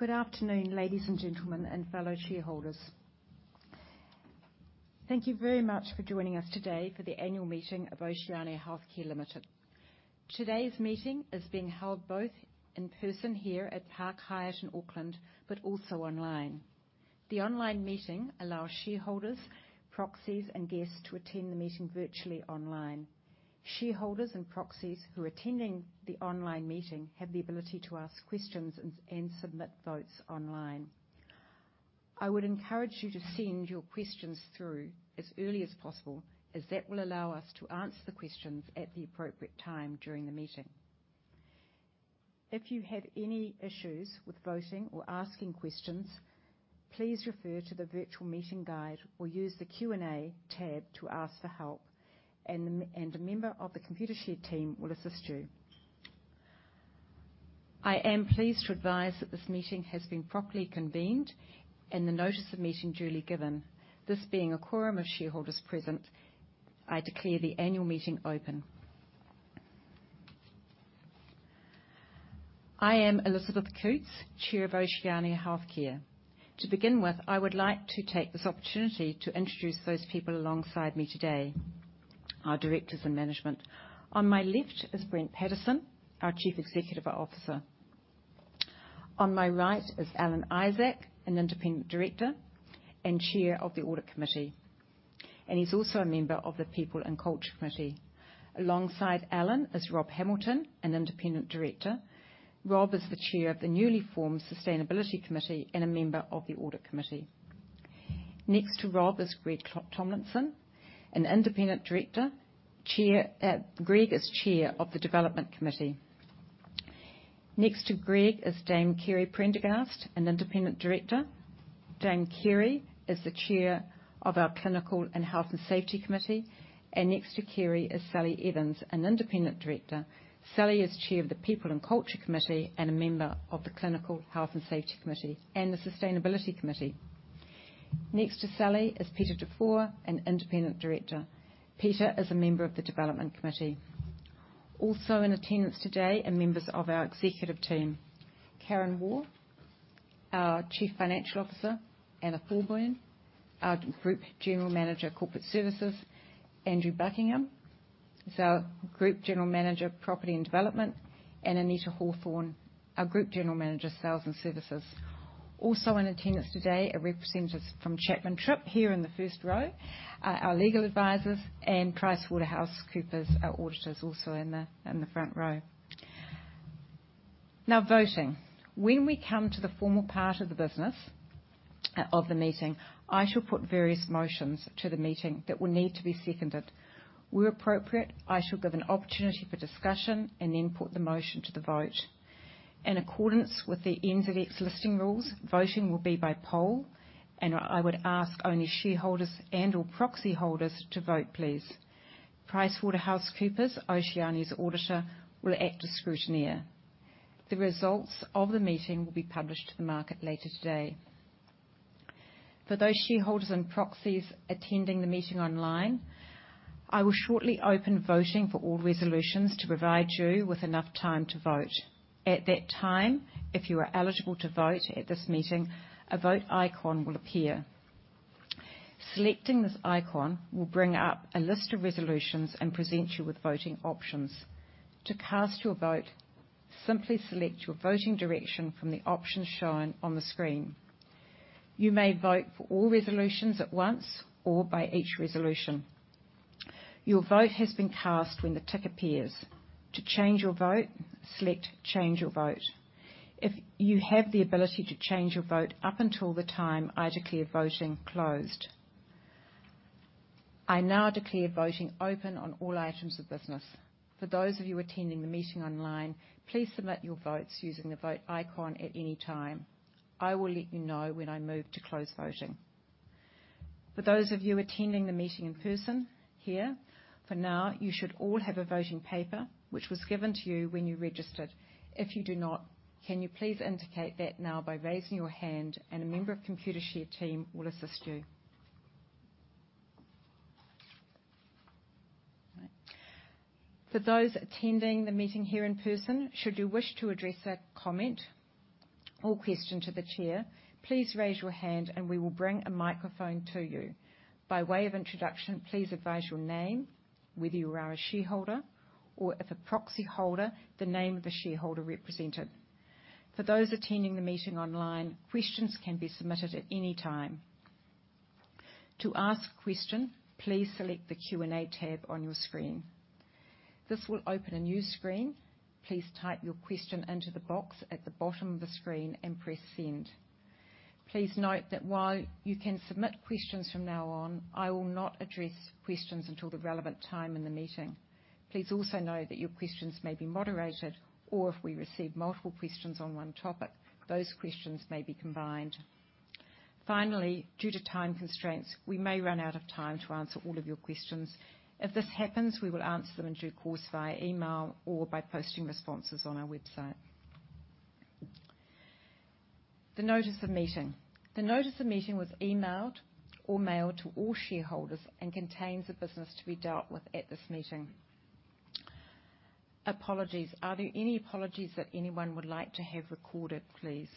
Good afternoon, ladies and gentlemen, and fellow shareholders. Thank you very much for joining us today for the Annual Meeting of Oceania Healthcare Limited. Today's meeting is being held both in person here at Park Hyatt Auckland, but also online. The online meeting allows shareholders, proxies, and guests to attend the meeting virtually online. Shareholders and proxies who are attending the online meeting have the ability to ask questions and submit votes online. I would encourage you to send your questions through as early as possible, as that will allow us to answer the questions at the appropriate time during the meeting. If you have any issues with voting or asking questions, please refer to the virtual meeting guide or use the Q&A tab to ask for help, and a member of the Computershare team will assist you. I am pleased to advise that this meeting has been properly convened and the notice of meeting duly given. This being a quorum of shareholders present, I declare the annual meeting open. I am Elizabeth Coutts, Chair of Oceania Healthcare. To begin with, I would like to take this opportunity to introduce those people alongside me today, our directors and management. On my left is Brent Pattison, our Chief Executive Officer. On my right is Alan Isaac, an independent director and Chair of the Audit Committee, and he's also a member of the People and Culture Committee. Alongside Alan is Rob Hamilton, an independent director. Rob is the Chair of the newly formed Sustainability Committee and a member of the Audit Committee. Next to Rob is Greg Tomlinson, an independent director. Chair, Greg is Chair of the Development Committee. Next to Greg is Dame Kerry Prendergast, an independent director. Dame Kerry is the chair of our Clinical and Health and Safety Committee. Next to Kerry is Sally Evans, an independent director. Sally is chair of the People and Culture Committee, and a member of the Clinical Health and Safety Committee and the Sustainability Committee. Next to Sally is Peter Dufour, an independent director. Peter is a member of the Development Committee. Also in attendance today are members of our executive team: Kathryn Waugh, our Chief Financial Officer, Anna Thorburn, our Group General Manager, Corporate Services, Andrew Buckingham is our Group General Manager, Property and Development, and Anita Hawthorne, our Group General Manager, Sales and Services. Also in attendance today are representatives from Chapman Tripp, here in the first row, our legal advisors, and PricewaterhouseCoopers, our auditors, also in the front row. Now, voting. When we come to the formal part of the business, of the meeting, I shall put various motions to the meeting that will need to be seconded. Where appropriate, I shall give an opportunity for discussion and then put the motion to the vote. In accordance with the NZX Listing Rules, voting will be by poll, and I would ask only shareholders and/or proxy holders to vote, please. PricewaterhouseCoopers, Oceania's auditor, will act as scrutineer. The results of the meeting will be published to the market later today. For those shareholders and proxies attending the meeting online, I will shortly open voting for all resolutions to provide you with enough time to vote. At that time, if you are eligible to vote at this meeting, a vote icon will appear. Selecting this icon will bring up a list of resolutions and present you with voting options. To cast your vote, simply select your voting direction from the options shown on the screen. You may vote for all resolutions at once or by each resolution. Your vote has been cast when the tick appears. To change your vote, select Change Your Vote. You have the ability to change your vote up until the time I declare voting closed. I now declare voting open on all items of business. For those of you attending the meeting online, please submit your votes using the vote icon at any time. I will let you know when I move to close voting. For those of you attending the meeting in person here, for now, you should all have a voting paper, which was given to you when you registered. If you do not, can you please indicate that now by raising your hand, and a member of Computershare team will assist you. For those attending the meeting here in person, should you wish to address a comment or question to the Chair, please raise your hand, and we will bring a microphone to you. By way of introduction, please advise your name, whether you are a shareholder, or if a proxyholder, the name of the shareholder represented. For those attending the meeting online, questions can be submitted at any time. To ask a question, please select the Q&A tab on your screen. This will open a new screen. Please type your question into the box at the bottom of the screen and press Send. Please note that while you can submit questions from now on, I will not address questions until the relevant time in the meeting. Please also know that your questions may be moderated, or if we receive multiple questions on one topic, those questions may be combined. Finally, due to time constraints, we may run out of time to answer all of your questions. If this happens, we will answer them in due course via email or by posting responses on our website. The notice of meeting. The notice of meeting was emailed or mailed to all shareholders and contains the business to be dealt with at this meeting. Apologies. Are there any apologies that anyone would like to have recorded, please?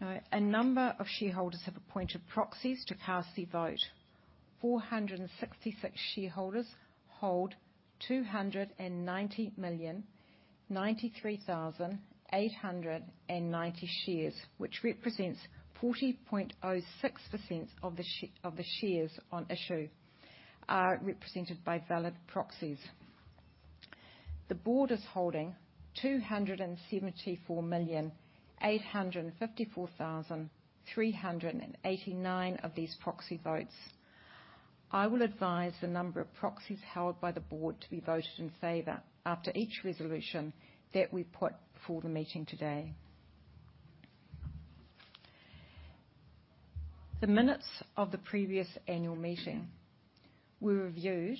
Now, a number of shareholders have appointed proxies to cast their vote. 466 shareholders hold 290,093,890 shares, which represents 40.06% of the shares on issue, are represented by valid proxies. The board is holding 274,854,389 of these proxy votes. I will advise the number of proxies held by the board to be voted in favor after each resolution that we put for the meeting today. The minutes of the previous annual meeting were reviewed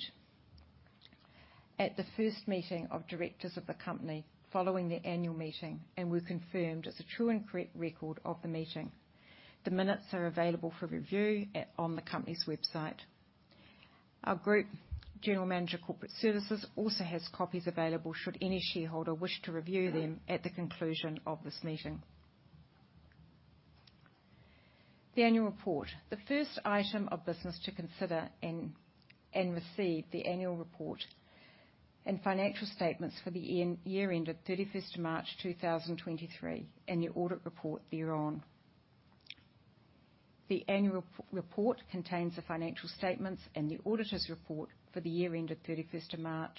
at the first meeting of directors of the company following the annual meeting, and were confirmed as a true and correct record of the meeting. The minutes are available for review, on the company's website. Our Group General Manager of Corporate Services also has copies available should any shareholder wish to review them at the conclusion of this meeting. The annual report. The first item of business to consider and receive the annual report and financial statements for the year end of 31st March 2023, and the audit report thereon. The annual report contains the financial statements, and the auditor's report for the year end of 31st March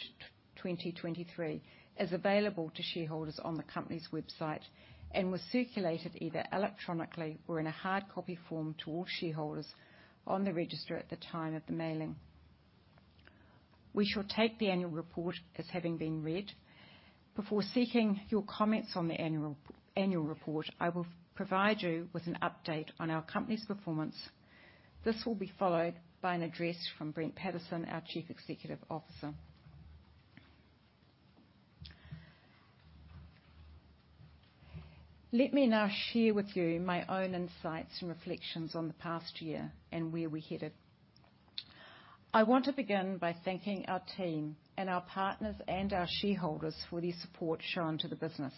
2023, is available to shareholders on the company's website, and was circulated either electronically or in a hard copy form to all shareholders on the register at the time of the mailing. We shall take the annual report as having been read. Before seeking your comments on the annual report, I will provide you with an update on our company's performance. This will be followed by an address from Brent Pattison, our Chief Executive Officer. Let me now share with you my own insights and reflections on the past year and where we're headed. I want to begin by thanking our team and our partners and our shareholders for their support shown to the business.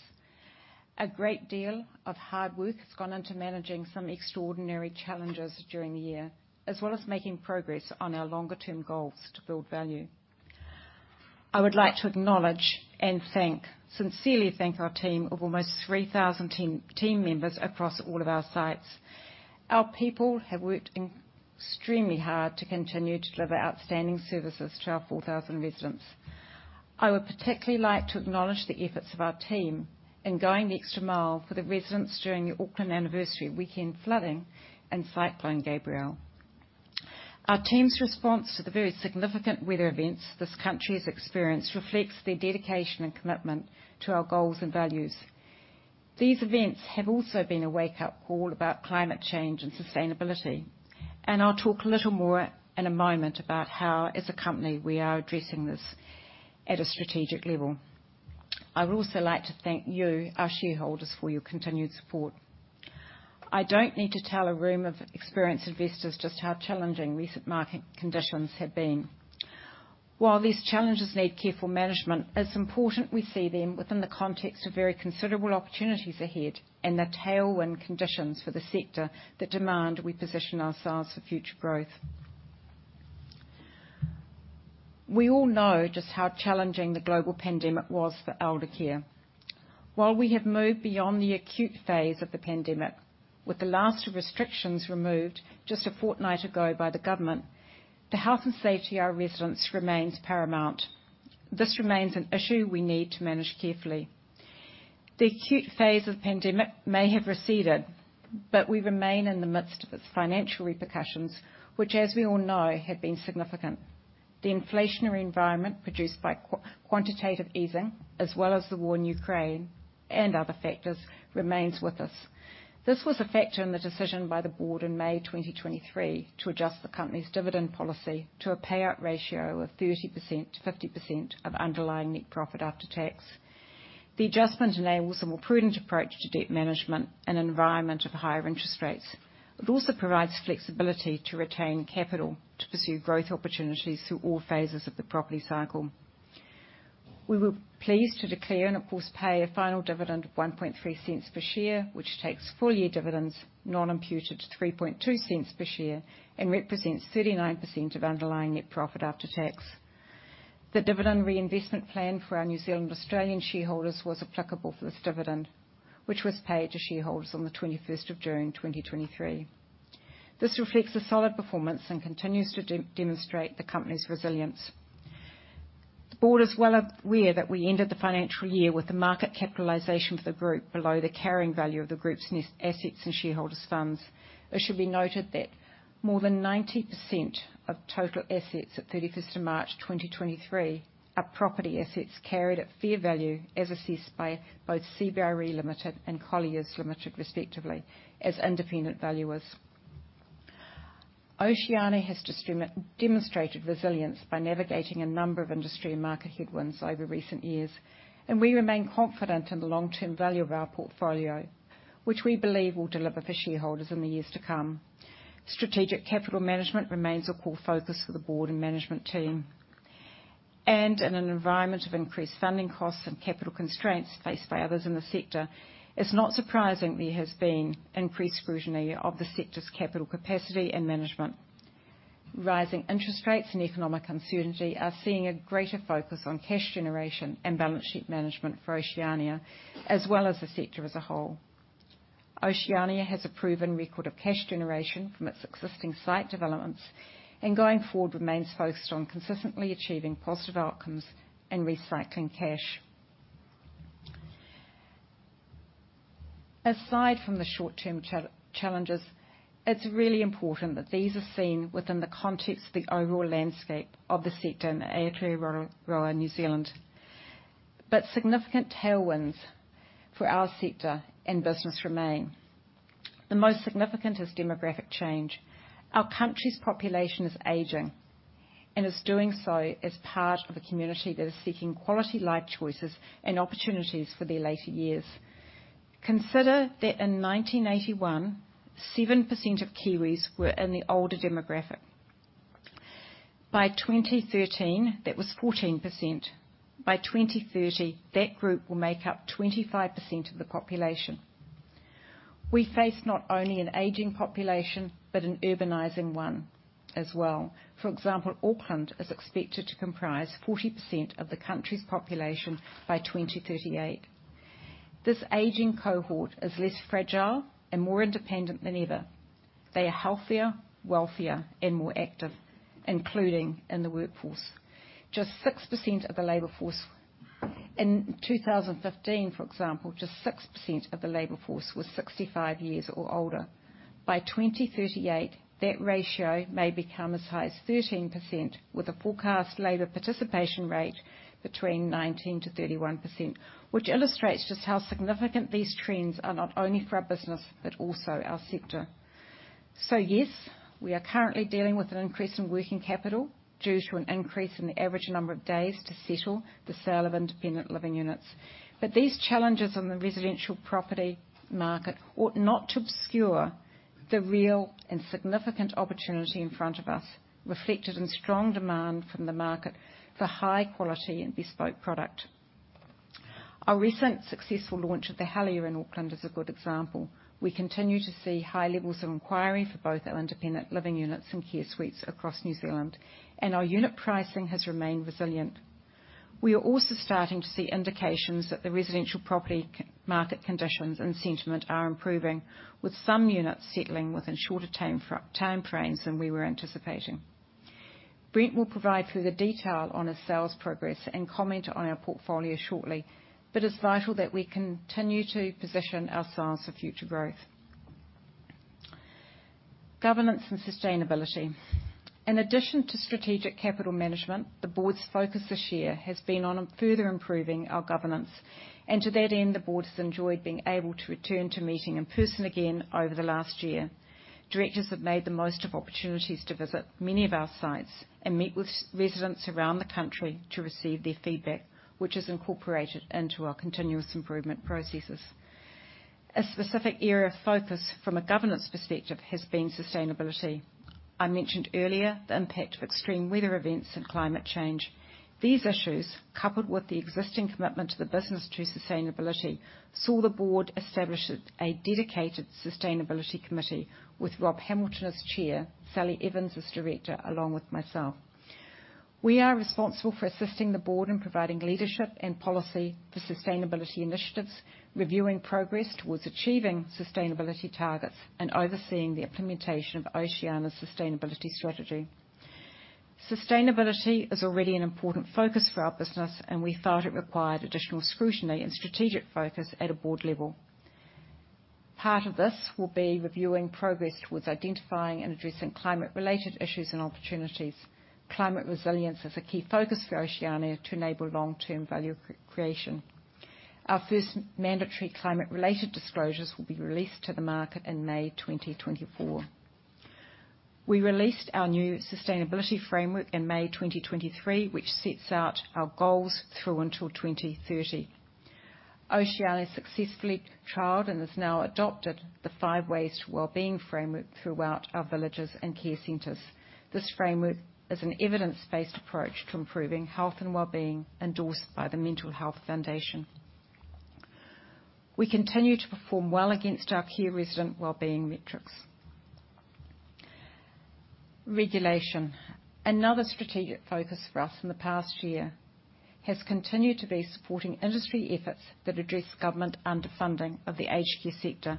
A great deal of hard work has gone into managing some extraordinary challenges during the year, as well as making progress on our longer-term goals to build value. I would like to acknowledge and thank, sincerely thank, our team of almost 3,000 team members across all of our sites. Our people have worked extremely hard to continue to deliver outstanding services to our 4,000 residents. I would particularly like to acknowledge the efforts of our team in going the extra mile for the residents during the Auckland anniversary weekend flooding and Cyclone Gabrielle. Our team's response to the very significant weather events this country has experienced, reflects their dedication and commitment to our goals and values. These events have also been a wake-up call about climate change and sustainability, and I'll talk a little more in a moment about how, as a company, we are addressing this at a strategic level. I would also like to thank you, our shareholders, for your continued support. I don't need to tell a room of experienced investors just how challenging recent market conditions have been. While these challenges need careful management, it's important we see them within the context of very considerable opportunities ahead and the tailwind conditions for the sector that demand we position ourselves for future growth. We all know just how challenging the global pandemic was for elder care. While we have moved beyond the acute phase of the pandemic, with the last restrictions removed just a fortnight ago by the government, the health and safety of our residents remains paramount. This remains an issue we need to manage carefully. The acute phase of the pandemic may have receded, but we remain in the midst of its financial repercussions, which, as we all know, have been significant. The inflationary environment produced by quantitative easing, as well as the war in Ukraine and other factors, remains with us. This was a factor in the decision by the board in May 2023 to adjust the company's dividend policy to a payout ratio of 30%-50% of underlying net profit after tax. The adjustment enables a more prudent approach to debt management in an environment of higher interest rates. It also provides flexibility to retain capital to pursue growth opportunities through all phases of the property cycle. We were pleased to declare and, of course, pay a final dividend of 0.013 per share, which takes full-year dividends non-imputed to 0.032 per share and represents 39% of underlying net profit after tax. The dividend reinvestment plan for our New Zealand and Australian shareholders was applicable for this dividend, which was paid to shareholders on the 21st of June 2023. This reflects a solid performance and continues to demonstrate the company's resilience. The board is well aware that we ended the financial year with the market capitalization for the group below the carrying value of the group's net assets and shareholders funds. It should be noted that more than 90% of total assets at 31st of March 2023, are property assets carried at fair value, as assessed by both CBRE Limited and Colliers Limited, respectively, as independent valuers. Oceania has demonstrated resilience by navigating a number of industry and market headwinds over recent years, and we remain confident in the long-term value of our portfolio, which we believe will deliver for shareholders in the years to come. Strategic capital management remains a core focus for the board and management team. In an environment of increased funding costs and capital constraints faced by others in the sector, it's not surprising there has been increased scrutiny of the sector's capital capacity and management. Rising interest rates and economic uncertainty are seeing a greater focus on cash generation and balance sheet management for Oceania, as well as the sector as a whole. Oceania has a proven record of cash generation from its existing site developments, and going forward, remains focused on consistently achieving positive outcomes and recycling cash. Aside from the short-term challenges, it's really important that these are seen within the context of the overall landscape of the sector in Aotearoa New Zealand. But significant tailwinds for our sector and business remain.nThe most significant is demographic change. Our country's population is aging, and is doing so as part of a community that is seeking quality life choices and opportunities for their later years. Consider that in 1981, 7% of Kiwis were in the older demographic. By 2013, that was 14%. By 2030, that group will make up 25% of the population. We face not only an aging population, but an urbanizing one as well. For example, Auckland is expected to comprise 40% of the country's population by 2038. This aging cohort is less fragile and more independent than ever. They are healthier, wealthier, and more active, including in the workforce. Just 6% of the labor force. In 2015, for example, just 6% of the labor force was 65 years or older. By 2038, that ratio may become as high as 13%, with a forecast labor participation rate between 19%-31%, which illustrates just how significant these trends are, not only for our business, but also our sector. So yes, we are currently dealing with an increase in working capital due to an increase in the average number of days to settle the sale of independent living units. But these challenges on the residential property market ought not to obscure the real and significant opportunity in front of us, reflected in strong demand from the market for high quality and bespoke product. Our recent successful launch of The Helier in Auckland is a good example. We continue to see high levels of inquiry for both our independent living units and care suites across New Zealand, and our unit pricing has remained resilient. We are also starting to see indications that the residential property market conditions and sentiment are improving, with some units settling within shorter time frames than we were anticipating. Brent will provide further detail on his sales progress and comment on our portfolio shortly, but it's vital that we continue to position ourselves for future growth. Governance and sustainability. In addition to strategic capital management, the board's focus this year has been on further improving our governance, and to that end, the board has enjoyed being able to return to meeting in person again over the last year. Directors have made the most of opportunities to visit many of our sites and meet with residents around the country to receive their feedback, which is incorporated into our continuous improvement processes. A specific area of focus from a governance perspective has been sustainability. I mentioned earlier the impact of extreme weather events and climate change. These issues, coupled with the existing commitment to the business to sustainability, saw the board establish a dedicated sustainability committee with Rob Hamilton as Chair, Sally Evans as Director, along with myself. We are responsible for assisting the board in providing leadership and policy for sustainability initiatives, reviewing progress towards achieving sustainability targets, and overseeing the implementation of Oceania's sustainability strategy. Sustainability is already an important focus for our business, and we felt it required additional scrutiny and strategic focus at a board level. Part of this will be reviewing progress towards identifying and addressing climate-related issues and opportunities. Climate resilience is a key focus for Oceania to enable long-term value creation. Our first mandatory climate-related disclosures will be released to the market in May 2024. We released our new sustainability framework in May 2023, which sets out our goals through until 2030. Oceania successfully trialed and has now adopted the Five Ways to Wellbeing framework throughout our villages and care centers. This framework is an evidence-based approach to improving health and wellbeing, endorsed by the Mental Health Foundation. We continue to perform well against our key resident wellbeing metrics. Regulation. Another strategic focus for us in the past year has continued to be supporting industry efforts that address government underfunding of the aged care sector.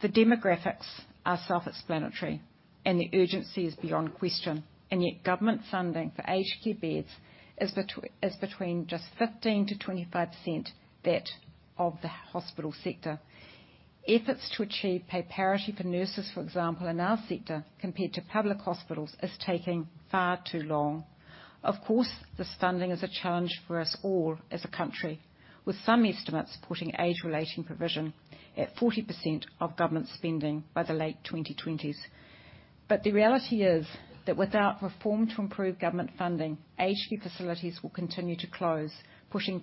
The demographics are self-explanatory, and the urgency is beyond question, and yet government funding for aged care beds is between just 15%-25% that of the hospital sector. Efforts to achieve pay parity for nurses, for example, in our sector, compared to public hospitals, is taking far too long. Of course, this funding is a challenge for us all as a country, with some estimates putting age-related provision at 40% of government spending by the late 2020s. But the reality is that without reform to improve government funding, aged care facilities will continue to close, pushing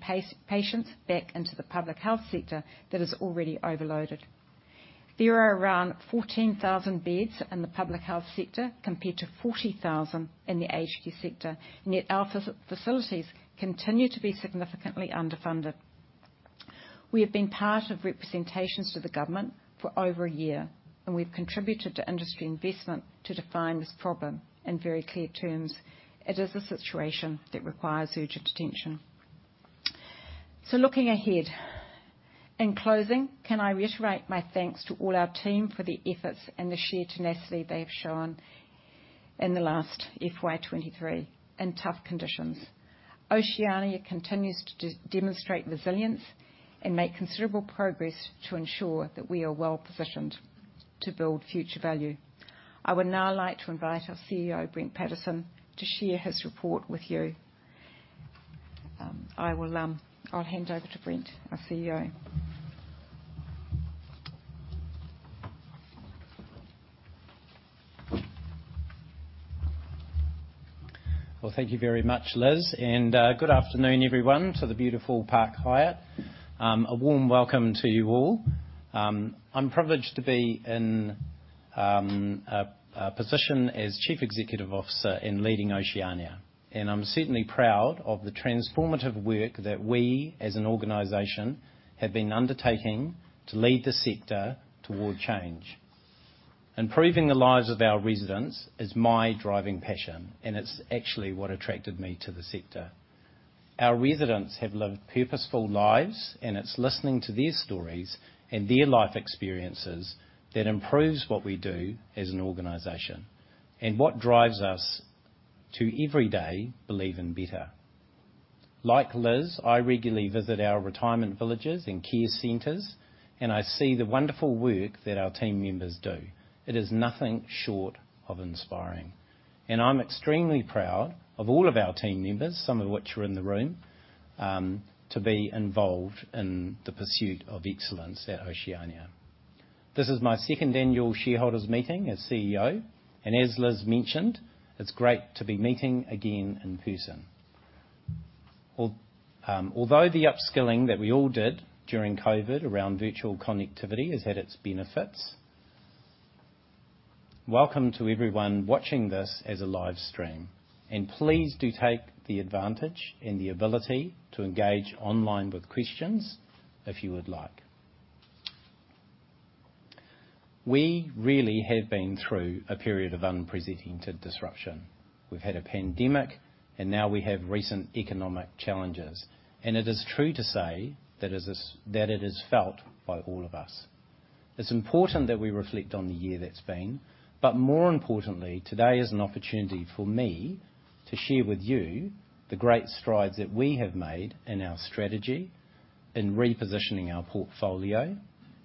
patients back into the public health sector that is already overloaded. There are around 14,000 beds in the public health sector, compared to 40,000 in the aged care sector, and yet our facilities continue to be significantly underfunded. We have been part of representations to the government for over a year, and we've contributed to industry investment to define this problem in very clear terms. It is a situation that requires urgent attention. Looking ahead, in closing, can I reiterate my thanks to all our team for the efforts and the sheer tenacity they've shown in the last FY 2023, in tough conditions. Oceania continues to demonstrate resilience and make considerable progress to ensure that we are well positioned to build future value. I would now like to invite our CEO, Brent Pattison, to share his report with you. I'll hand over to Brent, our CEO. Well, thank you very much, Liz, and good afternoon, everyone, to the beautiful Park Hyatt. A warm welcome to you all. I'm privileged to be in a position as Chief Executive Officer in leading Oceania, and I'm certainly proud of the transformative work that we, as an organization, have been undertaking to lead the sector toward change. Improving the lives of our residents is my driving passion, and it's actually what attracted me to the sector. Our residents have lived purposeful lives, and it's listening to their stories and their life experiences that improves what we do as an organization, and what drives us to every day believe in better. Like Liz, I regularly visit our retirement villages and care centers, and I see the wonderful work that our team members do. It is nothing short of inspiring, and I'm extremely proud of all of our team members, some of which are in the room to be involved in the pursuit of excellence at Oceania. This is my second annual shareholders meeting as CEO, and as Liz mentioned, it's great to be meeting again in person. Although the upskilling that we all did during COVID around virtual connectivity has had its benefits, welcome to everyone watching this as a live stream, and please do take the advantage and the ability to engage online with questions if you would like. We really have been through a period of unprecedented disruption. We've had a pandemic, and now we have recent economic challenges, and it is true to say that it is felt by all of us. It's important that we reflect on the year that's been, but more importantly, today is an opportunity for me to share with you the great strides that we have made in our strategy, in repositioning our portfolio,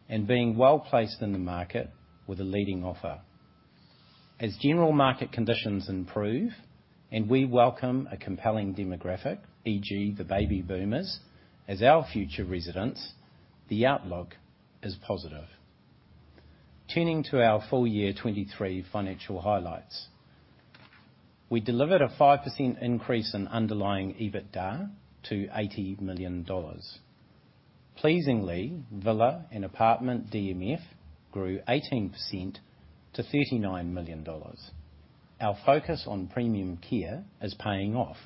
and being well-placed in the market with a leading offer. As general market conditions improve, and we welcome a compelling demographic, e.g., the baby boomers, as our future residents, the outlook is positive. Turning to our full year 2023 financial highlights. We delivered a 5% increase in underlying EBITDA to 80 million dollars. Pleasingly, villa and apartment DMF grew 18% to 39 million dollars. Our focus on premium care is paying off.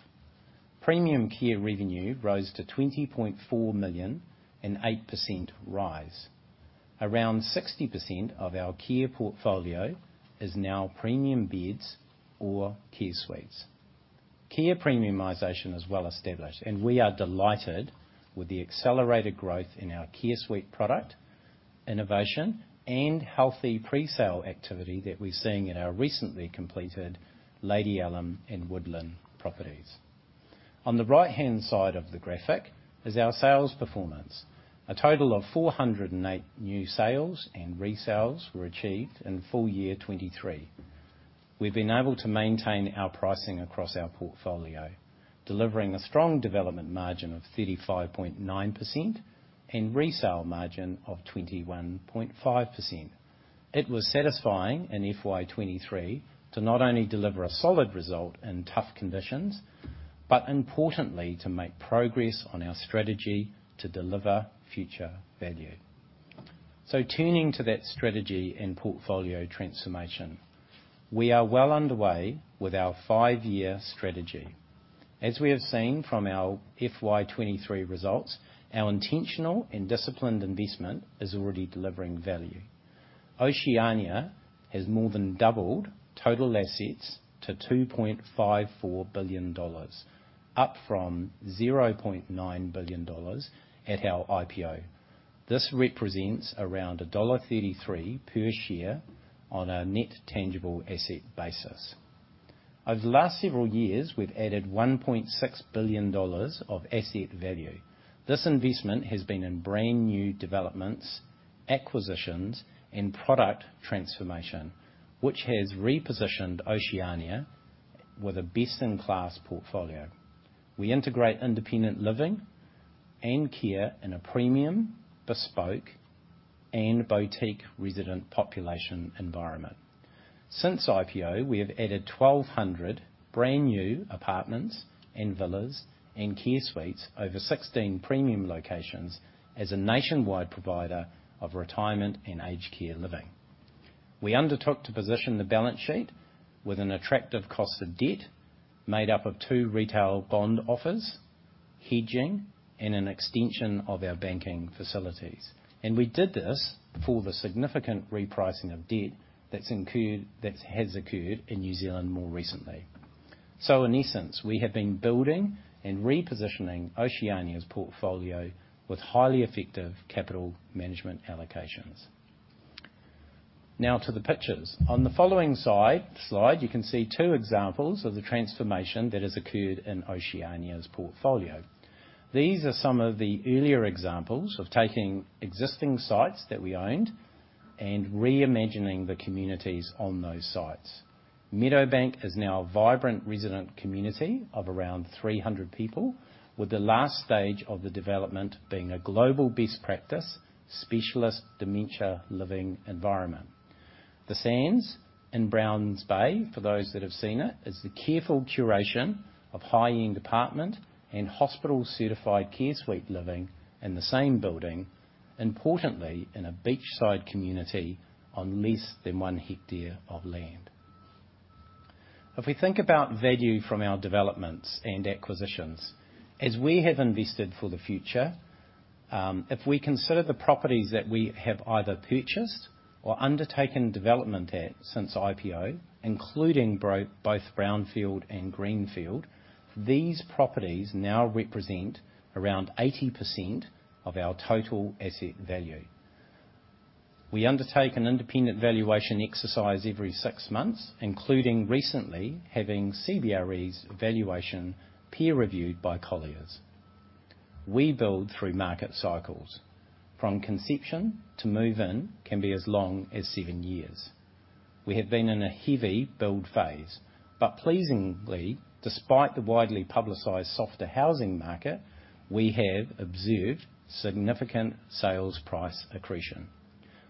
Premium care revenue rose to 20.4 million, an 8% rise. Around 60% of our care portfolio is now premium beds or care suites. Care premiumization is well established, and we are delighted with the accelerated growth in our Care Suite product, innovation, and healthy presale activity that we're seeing in our recently completed Lady Allum and Woodlands properties. On the right-hand side of the graphic is our sales performance. A total of 408 new sales and resales were achieved in full year 2023. We've been able to maintain our pricing across our portfolio, delivering a strong development margin of 35.9% and resale margin of 21.5%. It was satisfying in FY 2023 to not only deliver a solid result in tough conditions, but importantly, to make progress on our strategy to deliver future value. So turning to that strategy and portfolio transformation, we are well underway with our five-year strategy. As we have seen from our FY 2023 results, our intentional and disciplined investment is already delivering value. Oceania has more than doubled total assets to 2.54 billion dollars, up from 0.9 billion dollars at our IPO. This represents around dollar 1.33 per share on a net tangible asset basis. Over the last several years, we've added 1.6 billion dollars of asset value. This investment has been in brand-new developments, acquisitions, and product transformation, which has repositioned Oceania with a best-in-class portfolio. We integrate independent living and care in a premium, bespoke, and boutique resident population environment. Since IPO, we have added 1,200 brand new apartments and villas and care suites over 16 premium locations as a nationwide provider of retirement and aged care living. We undertook to position the balance sheet with an attractive cost of debt, made up of two retail bond offers, hedging, and an extension of our banking facilities. We did this for the significant repricing of debt that's incurred, that has occurred in New Zealand more recently. In essence, we have been building and repositioning Oceania's portfolio with highly effective capital management allocations. Now to the pictures. On the following side, slide, you can see two examples of the transformation that has occurred in Oceania's portfolio. These are some of the earlier examples of taking existing sites that we owned and reimagining the communities on those sites. Meadowbank is now a vibrant resident community of around 300 people, with the last stage of the development being a global best practice specialist dementia living environment. The Sands in Browns Bay, for those that have seen it, is the careful curation of high-end apartment and hospital-certified care suite living in the same building, importantly, in a beachside community on less than one hectare of land. If we think about value from our developments and acquisitions, as we have invested for the future, if we consider the properties that we have either purchased or undertaken development at since IPO, including both brownfield and greenfield, these properties now represent around 80% of our total asset value. We undertake an independent valuation exercise every six months, including recently having CBRE's valuation peer-reviewed by Colliers. We build through market cycles. From conception to move in can be as long as seven years. We have been in a heavy build phase, but pleasingly, despite the widely publicized softer housing market, we have observed significant sales price accretion.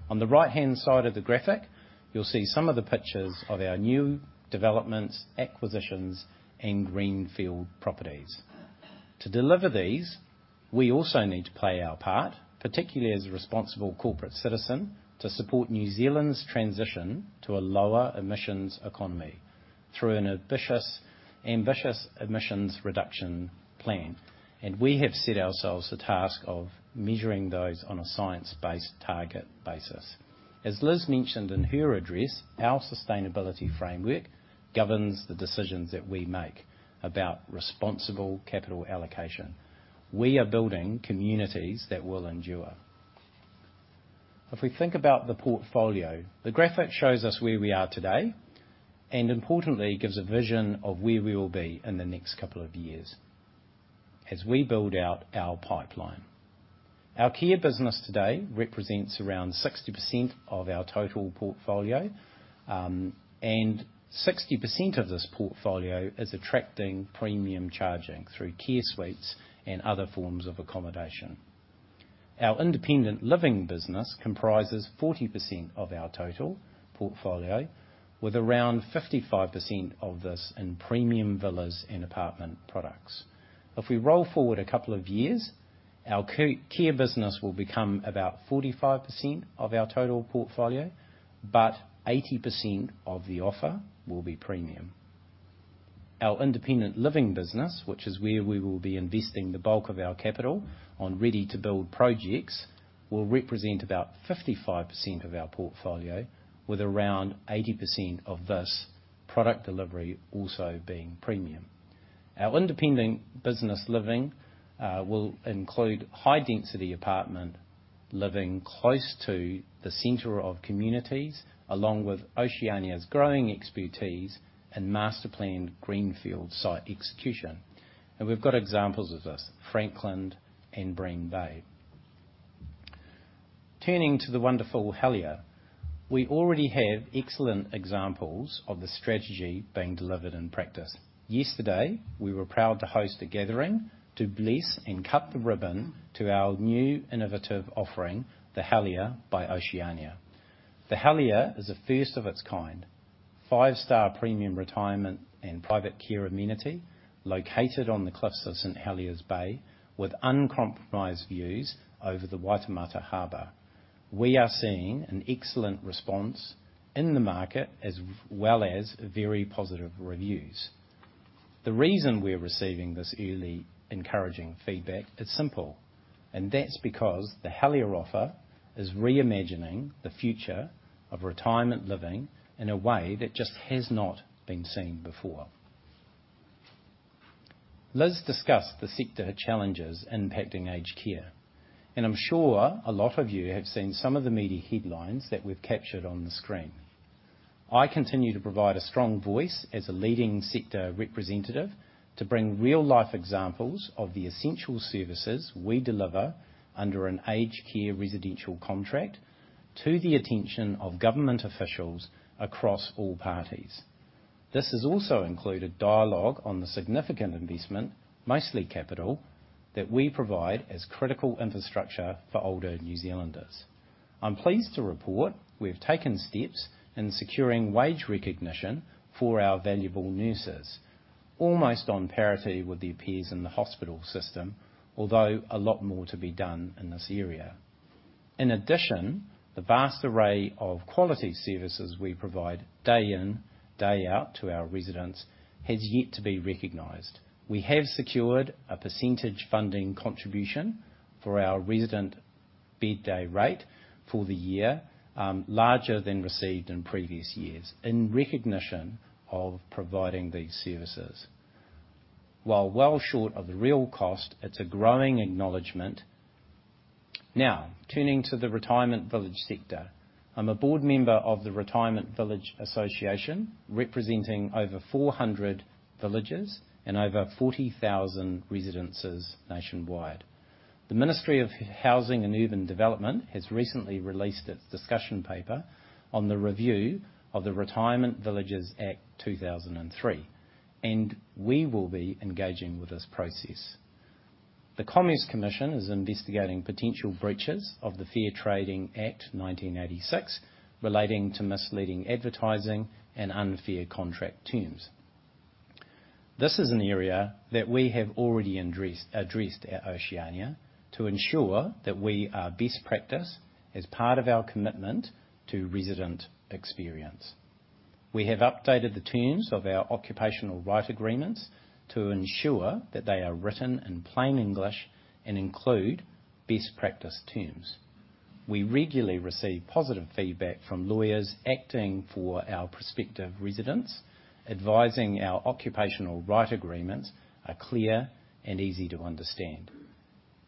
On the right-hand side of the graphic, you'll see some of the pictures of our new developments, acquisitions, and greenfield properties. To deliver these, we also need to play our part, particularly as a responsible corporate citizen, to support New Zealand's transition to a lower emissions economy through an ambitious, ambitious emissions reduction plan. We have set ourselves the task of measuring those on a science-based targets basis. As Liz mentioned in her address, our sustainability framework governs the decisions that we make about responsible capital allocation. We are building communities that will endure. If we think about the portfolio, the graphic shows us where we are today, and importantly, gives a vision of where we will be in the next couple of years as we build out our pipeline. Our care business today represents around 60% of our total portfolio, and 60% of this portfolio is attracting premium charging through Care Suites and other forms of accommodation. Our independent living business comprises 40% of our total portfolio, with around 55% of this in premium villas and apartment products. If we roll forward a couple of years, our care business will become about 45% of our total portfolio, but 80% of the offer will be premium. Our independent living business, which is where we will be investing the bulk of our capital on ready-to-build projects, will represent about 55% of our portfolio, with around 80% of this product delivery also being premium. Our independent business living will include high-density apartment living close to the center of communities, along with Oceania's growing expertise in master-planned greenfield site execution. We've got examples of this, Franklin and Bream Bay. Turning to the wonderful Helier, we already have excellent examples of the strategy being delivered in practice. Yesterday, we were proud to host a gathering to bless and cut the ribbon to our new innovative offering, The Helier by Oceania. The Helier is a first of its kind, five-star premium retirement and private care amenity located on the cliffs of St Heliers Bay, with uncompromised views over the Waitematā Harbour. We are seeing an excellent response in the market, as well as very positive reviews. The reason we're receiving this early encouraging feedback is simple, and that's because the Helier offer is reimagining the future of retirement living in a way that just has not been seen before. Liz discussed the sector challenges impacting aged care, and I'm sure a lot of you have seen some of the media headlines that we've captured on the screen. I continue to provide a strong voice as a leading sector representative to bring real-life examples of the essential services we deliver under an aged care residential contract to the attention of government officials across all parties. This has also included dialogue on the significant investment, mostly capital, that we provide as critical infrastructure for older New Zealanders. I'm pleased to report we have taken steps in securing wage recognition for our valuable nurses, almost on parity with their peers in the hospital system, although a lot more to be done in this area. In addition, the vast array of quality services we provide day in, day out to our residents has yet to be recognized. We have secured a percentage funding contribution for our resident bed day rate for the year, larger than received in previous years, in recognition of providing these services. While well short of the real cost, it's a growing acknowledgment. Now, turning to the retirement village sector. I'm a board member of the Retirement Village Association, representing over 400 villages and over 40,000 residences nationwide. The Ministry of Housing and Urban Development has recently released its discussion paper on the review of the Retirement Villages Act 2003, and we will be engaging with this process. The Commerce Commission is investigating potential breaches of the Fair Trading Act 1986, relating to misleading advertising and unfair contract terms. This is an area that we have already addressed at Oceania to ensure that we are best practice as part of our commitment to resident experience. We have updated the terms of our occupational right agreements to ensure that they are written in plain English and include best practice terms. We regularly receive positive feedback from lawyers acting for our prospective residents, advising our occupational right agreements are clear and easy to understand,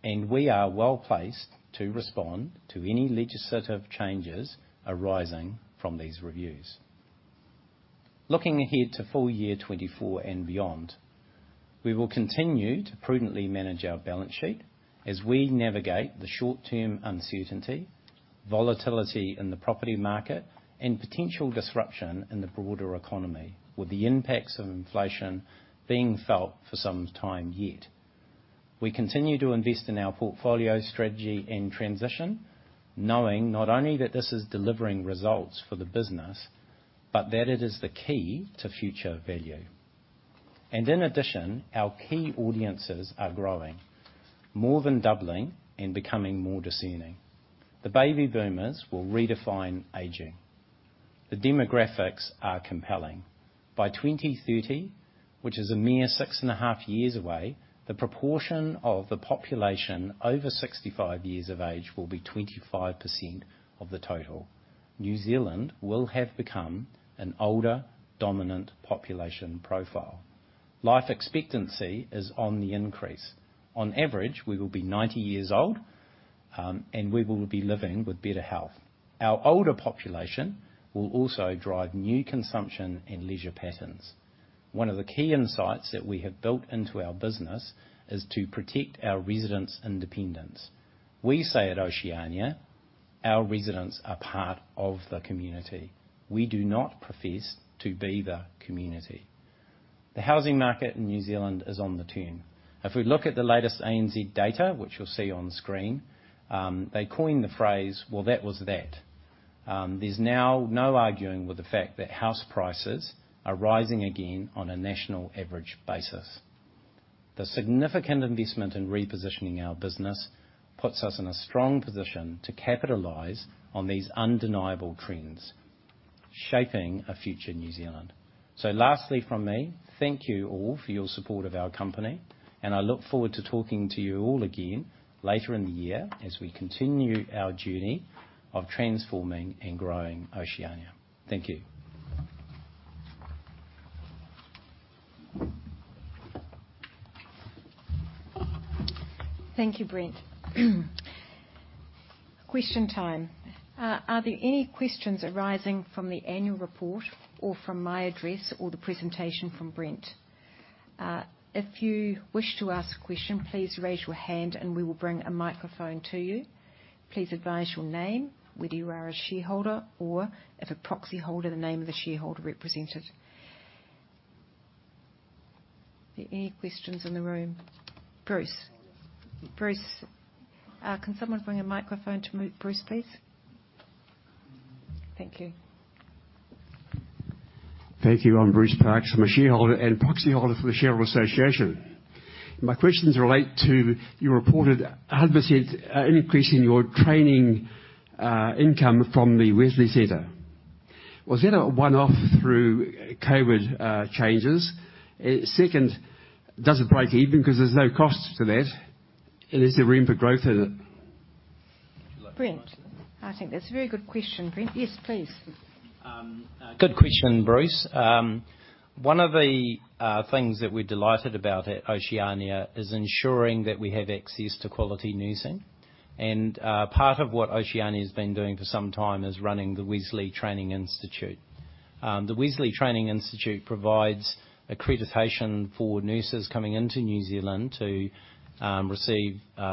and we are well-placed to respond to any legislative changes arising from these reviews. Looking ahead to full year 2024 and beyond, we will continue to prudently manage our balance sheet as we navigate the short-term uncertainty, volatility in the property market, and potential disruption in the broader economy, with the impacts of inflation being felt for some time yet. We continue to invest in our portfolio strategy and transition, knowing not only that this is delivering results for the business, but that it is the key to future value. In addition, our key audiences are growing, more than doubling and becoming more discerning. The baby boomers will redefine aging. The demographics are compelling. By 2030, which is a mere 6.5 years away, the proportion of the population over 65 years of age will be 25% of the total. New Zealand will have become an older, dominant population profile. Life expectancy is on the increase. On average, we will be 90 years old, and we will be living with better health. Our older population will also drive new consumption and leisure patterns. One of the key insights that we have built into our business is to protect our residents' independence. We say at Oceania, our residents are part of the community. We do not profess to be the community. The housing market in New Zealand is on the turn. If we look at the latest ANZ data, which you'll see on screen, they coined the phrase: "Well, that was that." There's now no arguing with the fact that house prices are rising again on a national average basis. The significant investment in repositioning our business puts us in a strong position to capitalize on these undeniable trends, shaping a future New Zealand. So lastly, from me, thank you all for your support of our company, and I look forward to talking to you all again later in the year as we continue our journey of transforming and growing Oceania. Thank you. Thank you, Brent. Question time. Are there any questions arising from the annual report or from my address or the presentation from Brent? If you wish to ask a question, please raise your hand and we will bring a microphone to you. Please advise your name, whether you are a shareholder or if a proxyholder, the name of the shareholder represented. Are there any questions in the room? Bruce. Bruce. Can someone bring a microphone to Bruce, please? Thank you. Thank you. I'm Bruce Parkes. I'm a shareholder and proxyholder for the Shareholders’ Association. My questions relate to your reported 100% increase in your training income from the Wesley Center. Was that a one-off through COVID changes? Second, does it break even because there's no cost to that, and is there room for growth in it? Brent, I think that's a very good question, Brent. Yes, please. Good question, Bruce. One of the things that we're delighted about at Oceania is ensuring that we have access to quality nursing. Part of what Oceania has been doing for some time is running the Wesley Training Institute. The Wesley Training Institute provides accreditation for nurses coming into New Zealand to receive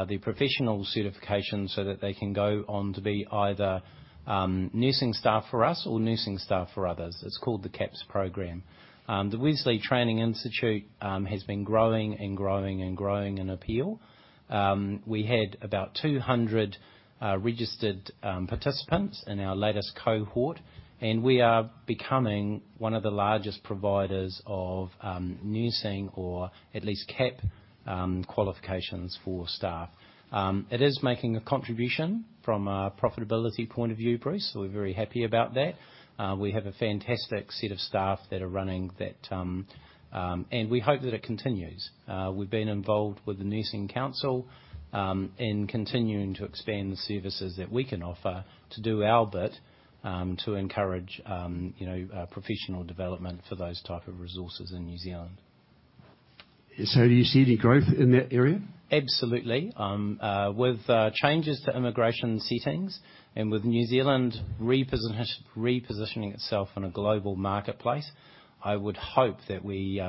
their professional certification so that they can go on to be either nursing staff for us or nursing staff for others. It's called the CAPs program. The Wesley Training Institute has been growing and growing and growing in appeal. We had about 200 registered participants in our latest cohort, and we are becoming one of the largest providers of nursing or at least CAP qualifications for staff. It is making a contribution from a profitability point of view, Bruce, so we're very happy about that. We have a fantastic set of staff that are running that, and we hope that it continues. We've been involved with the Nursing Council, in continuing to expand the services that we can offer to do our bit, to encourage, you know, professional development for those type of resources in New Zealand. Do you see any growth in that area? Absolutely. With changes to immigration settings and with New Zealand repositioning itself in a global marketplace, I would hope that we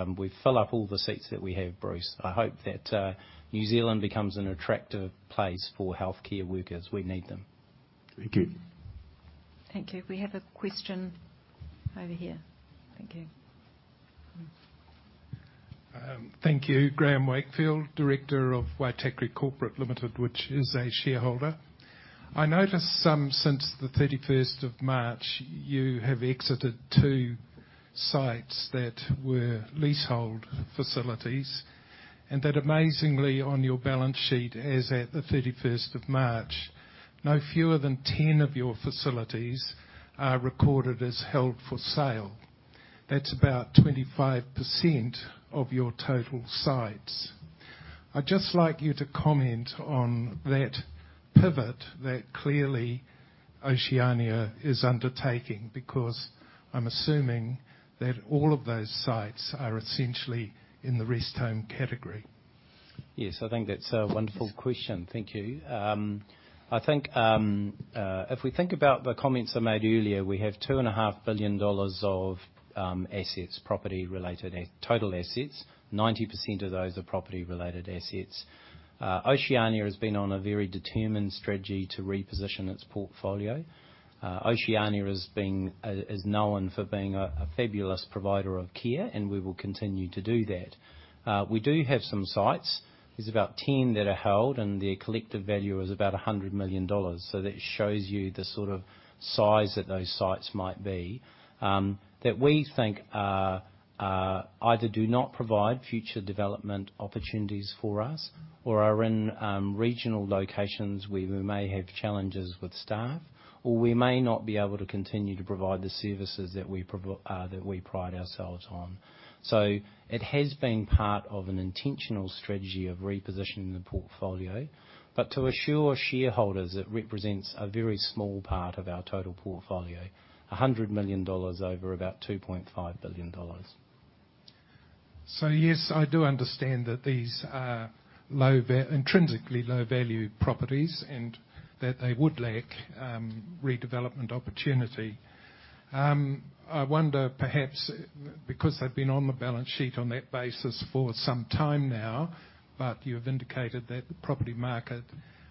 fill up all the seats that we have, Bruce. I hope that New Zealand becomes an attractive place for healthcare workers. We need them. Thank you. Thank you. We have a question over here. Thank you. Thank you. Graham Wakefield, Director of Waitakere Corporate Limited, which is a shareholder. I noticed since the 31st of March, you have exited two sites that were leasehold facilities, and that amazingly, on your balance sheet, as at the 31st of March, no fewer than 10 of your facilities are recorded as held for sale. That's about 25% of your total sites. I'd just like you to comment on that pivot that clearly Oceania is undertaking, because I'm assuming that all of those sites are essentially in the rest home category. Yes, I think that's a wonderful question. Thank you. I think, if we think about the comments I made earlier, we have 2.5 billion dollars of assets, property-related total assets. 90% of those are property-related assets. Oceania has been on a very determined strategy to reposition its portfolio. Oceania has been, is known for being a fabulous provider of care, and we will continue to do that. We do have some sites, there's about 10 that are held, and their collective value is about 100 million dollars. So that shows you the sort of size that those sites might be, that we think are either do not provide future development opportunities for us, or are in, regional locations where we may have challenges with staff, or we may not be able to continue to provide the services that we pride ourselves on. So it has been part of an intentional strategy of repositioning the portfolio, but to assure shareholders, it represents a very small part of our total portfolio, 100 million dollars over about 2.5 billion dollars. So, yes, I do understand that these are intrinsically low-value properties and that they would lack redevelopment opportunity. I wonder, perhaps, because they've been on the balance sheet on that basis for some time now, but you've indicated that the property market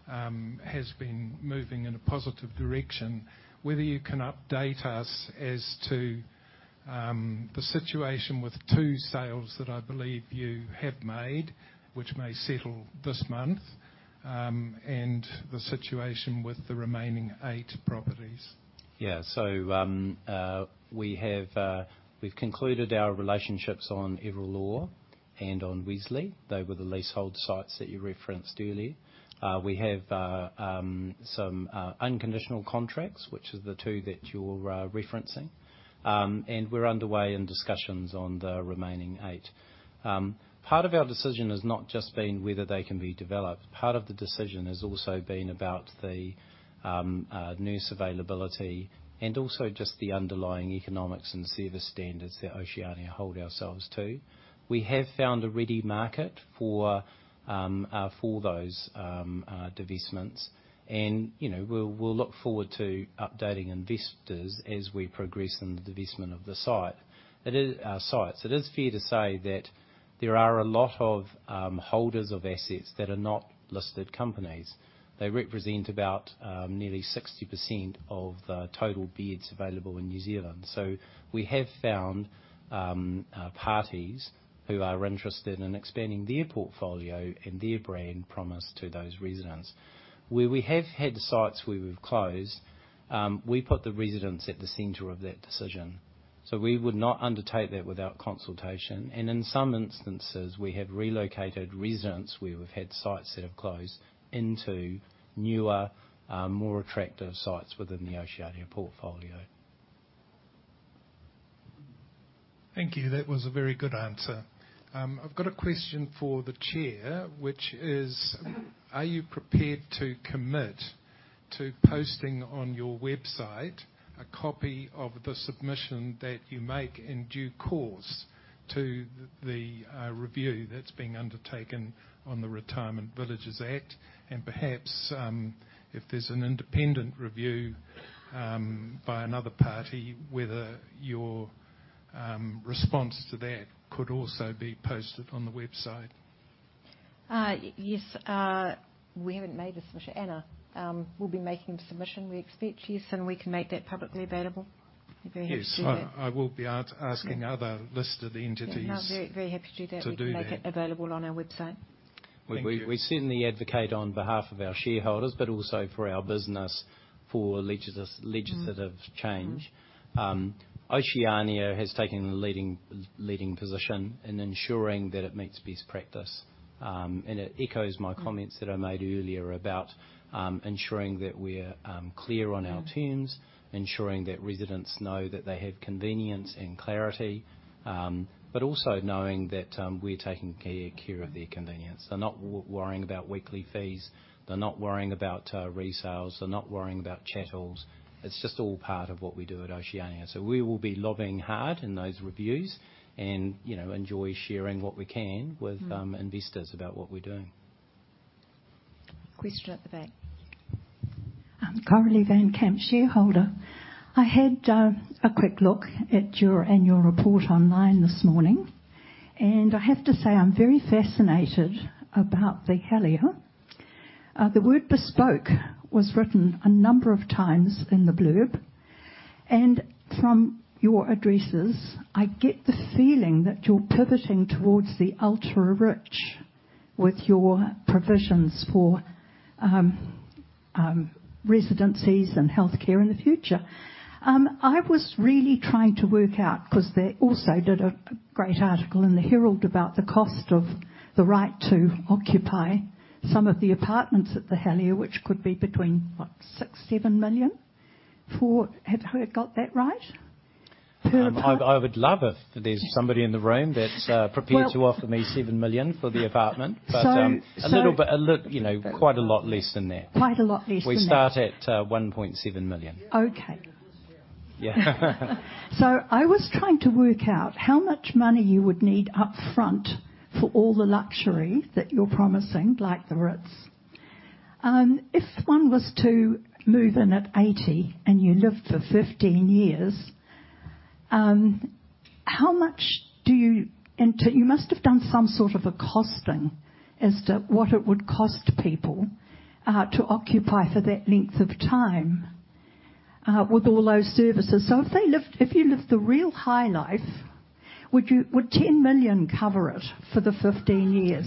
has been moving in a positive direction, whether you can update us as to the situation with two sales that I believe you have made, which may settle this month, and the situation with the remaining eight properties. Yeah. So, we have, we've concluded our relationships on Irwell Law and on Wesley. They were the leasehold sites that you referenced earlier. We have some unconditional contracts, which is the two that you're referencing. And we're underway in discussions on the remaining eight. Part of our decision has not just been whether they can be developed. Part of the decision has also been about the nurse availability and also just the underlying economics and service standards that Oceania hold ourselves to. We have found a ready market for those divestments, and, you know, we'll look forward to updating investors as we progress in the divestment of the site. It is sites. It is fair to say that there are a lot of holders of assets that are not listed companies. They represent about nearly 60% of the total beds available in New Zealand. So we have found parties who are interested in expanding their portfolio and their brand promise to those residents. Where we have had sites where we've closed, we put the residents at the center of that decision, so we would not undertake that without consultation. And in some instances, we have relocated residents where we've had sites that have closed into newer, more attractive sites within the Oceania portfolio. Thank you. That was a very good answer. I've got a question for the Chair, which is: Are you prepared to commit to posting on your website a copy of the submission that you make in due course to the review that's being undertaken on the Retirement Villages Act, and perhaps, if there's an independent review by another party, whether your response to that could also be posted on the website. Yes, we haven't made the submission. Anna, we'll be making a submission, we expect. Yes, and we can make that publicly available. We're very happy to do that. Yes, I will be asking other listed entities- Yeah. I'm very, very happy to do that. To do that. We can make it available on our website. Thank you. We certainly advocate on behalf of our shareholders, but also for our business, for legislative change. Mm-hmm. Oceania has taken the leading position in ensuring that it meets best practice. And it echoes my comments that I made earlier about ensuring that we're clear on our terms, ensuring that residents know that they have convenience and clarity, but also knowing that we're taking care of their convenience. They're not worrying about weekly fees. They're not worrying about resales. They're not worrying about chattels. It's just all part of what we do at Oceania. So we will be lobbying hard in those reviews and, you know, enjoy sharing what we can with investors about what we're doing. Question at the back. Coralie Van Camp, shareholder. I had a quick look at your annual report online this morning, and I have to say, I'm very fascinated about The Helier. The word bespoke was written a number of times in the blurb, and from your addresses, I get the feeling that you're pivoting towards the ultra-rich with your provisions for residencies and healthcare in the future. I was really trying to work out, 'cause they also did a great article in The Herald about the cost of the right to occupy some of the apartments at The Helier, which could be between, what? 6 million-7 million for—have I got that right, per apartment? I would love if there's somebody in the room that's prepared to offer me 7 million for the apartment. So, so. But, a little bit, you know, quite a lot less than that. Quite a lot less than that. We start at 1.7 million. Okay. Yeah. So I was trying to work out how much money you would need up front for all the luxury that you're promising, like the Ritz. If one was to move in at 80 and you lived for 15 years, how much do you... And to—you must have done some sort of a costing as to what it would cost people, to occupy for that length of time, with all those services. So if they lived, if you lived the real high life, would you—would 10 million cover it for the 15 years?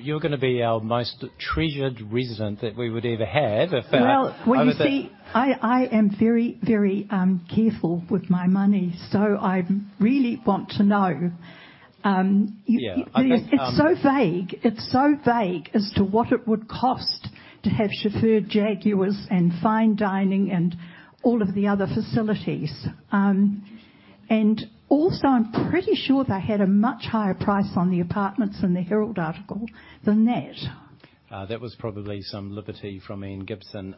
You're gonna be our most treasured resident that we would ever have, if that. Well. I would say. Well, you see, I am very, very careful with my money, so I really want to know. Yeah, I think. It's so vague. It's so vague as to what it would cost to have chauffeur Jaguars and fine dining and all of the other facilities. And also, I'm pretty sure they had a much higher price on the apartments in the Herald article than that. That was probably some liberty from Ian Gibson.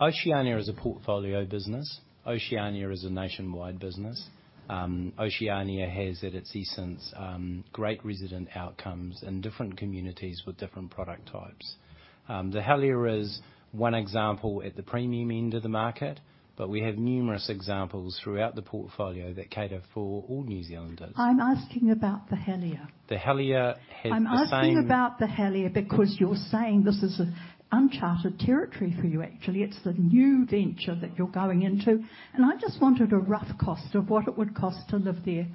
Oceania is a portfolio business. Oceania is a nationwide business. Oceania has, at its essence, great resident outcomes in different communities with different product types. The Helier is one example at the premium end of the market, but we have numerous examples throughout the portfolio that cater for all New Zealanders. I'm asking about The Helier. The Helier has the same. I'm asking about The Helier because you're saying this is, uncharted territory for you, actually. It's the new venture that you're going into, and I just wanted a rough cost of what it would cost to live there,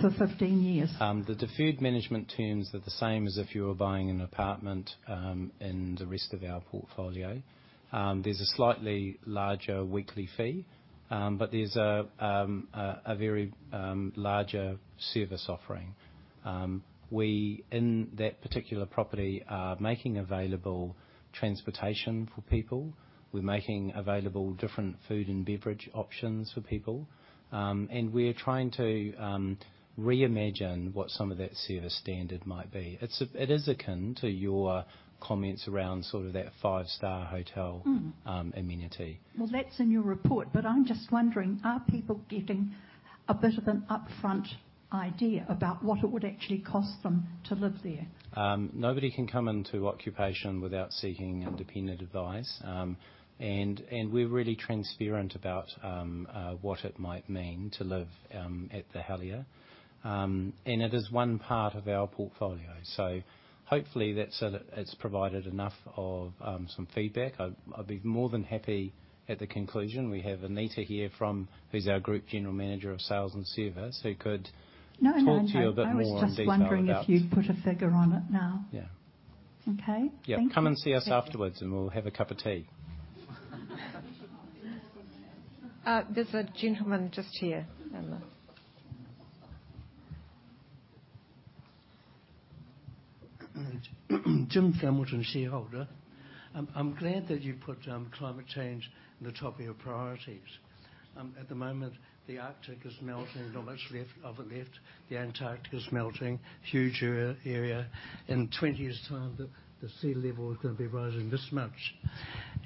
for 15 years. The deferred management terms are the same as if you were buying an apartment, in the rest of our portfolio. There's a slightly larger weekly fee, but there's a very larger service offering. We, in that particular property, are making available transportation for people. We're making available different food and beverage options for people. And we're trying to reimagine what some of that service standard might be. It's, it is akin to your comments around sort of that five-star hotel. Mm-hmm Amenity. Well, that's in your report, but I'm just wondering, are people getting a bit of an upfront idea about what it would actually cost them to live there? Nobody can come into occupation without seeking independent advice. And we're really transparent about what it might mean to live at The Helier. And it is one part of our portfolio, so hopefully that's, it's provided enough of some feedback. I'd be more than happy at the conclusion. We have Anita here from—who’s our Group General Manager of Sales and Service, who could- No, no, no. Talk to you a bit more in detail about. I was just wondering if you'd put a figure on it now? Yeah. Okay? Thank you. Yeah. Come and see us afterwards, and we'll have a cup of tea. There's a gentleman just here, Anna. Jim Hamilton, shareholder. I'm glad that you put, climate change in the top of your priorities. At the moment, the Arctic is melting, not much left of it left. The Antarctic is melting, huge area. In 20 years' time, the sea level is going to be rising this much.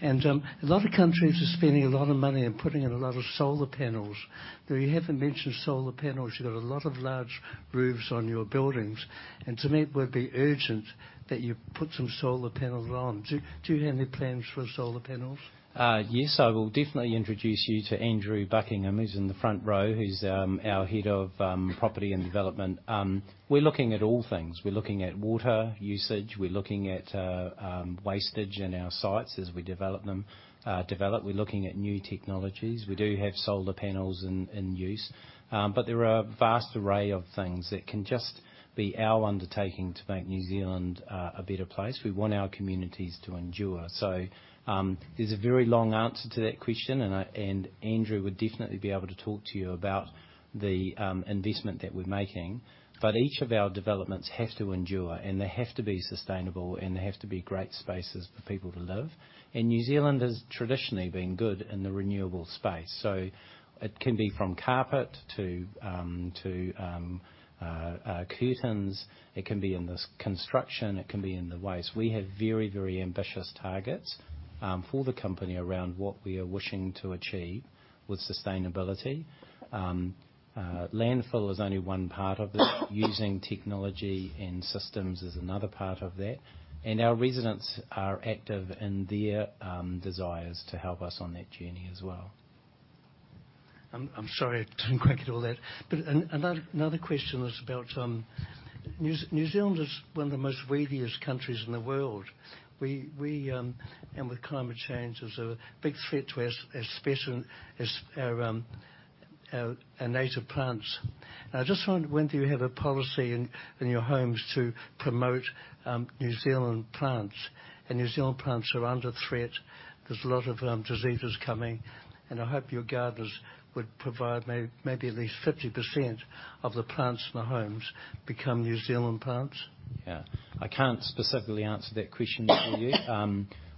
And, a lot of countries are spending a lot of money and putting in a lot of solar panels, but you haven't mentioned solar panels. You've got a lot of large roofs on your buildings, and to me, it would be urgent that you put some solar panels on. Do you have any plans for solar panels? Yes, I will definitely introduce you to Andrew Buckingham, who's in the front row, who's our head of Property and Development. We're looking at all things. We're looking at water usage, we're looking at wastage in our sites as we develop them. We're looking at new technologies. We do have solar panels in use. But there are a vast array of things that can just be our undertaking to make New Zealand a better place. We want our communities to endure. So, there's a very long answer to that question, and Andrew would definitely be able to talk to you about the investment that we're making. But each of our developments have to endure, and they have to be sustainable, and they have to be great spaces for people to live. New Zealand has traditionally been good in the renewable space. So it can be from carpet to curtains. It can be in the construction, it can be in the waste. We have very, very ambitious targets for the company around what we are wishing to achieve with sustainability. Landfill is only one part of it. Using technology and systems is another part of that, and our residents are active in their desires to help us on that journey as well. I'm sorry, I didn't quite get all that. But another question is about New Zealand is one of the most windiest countries in the world. We, with climate change is a big threat to us, especially as our native plants. I just wondered whether you have a policy in your homes to promote New Zealand plants. And New Zealand plants are under threat. There's a lot of diseases coming, and I hope your gardeners would provide maybe at least 50% of the plants in the homes become New Zealand plants. Yeah. I can't specifically answer that question for you.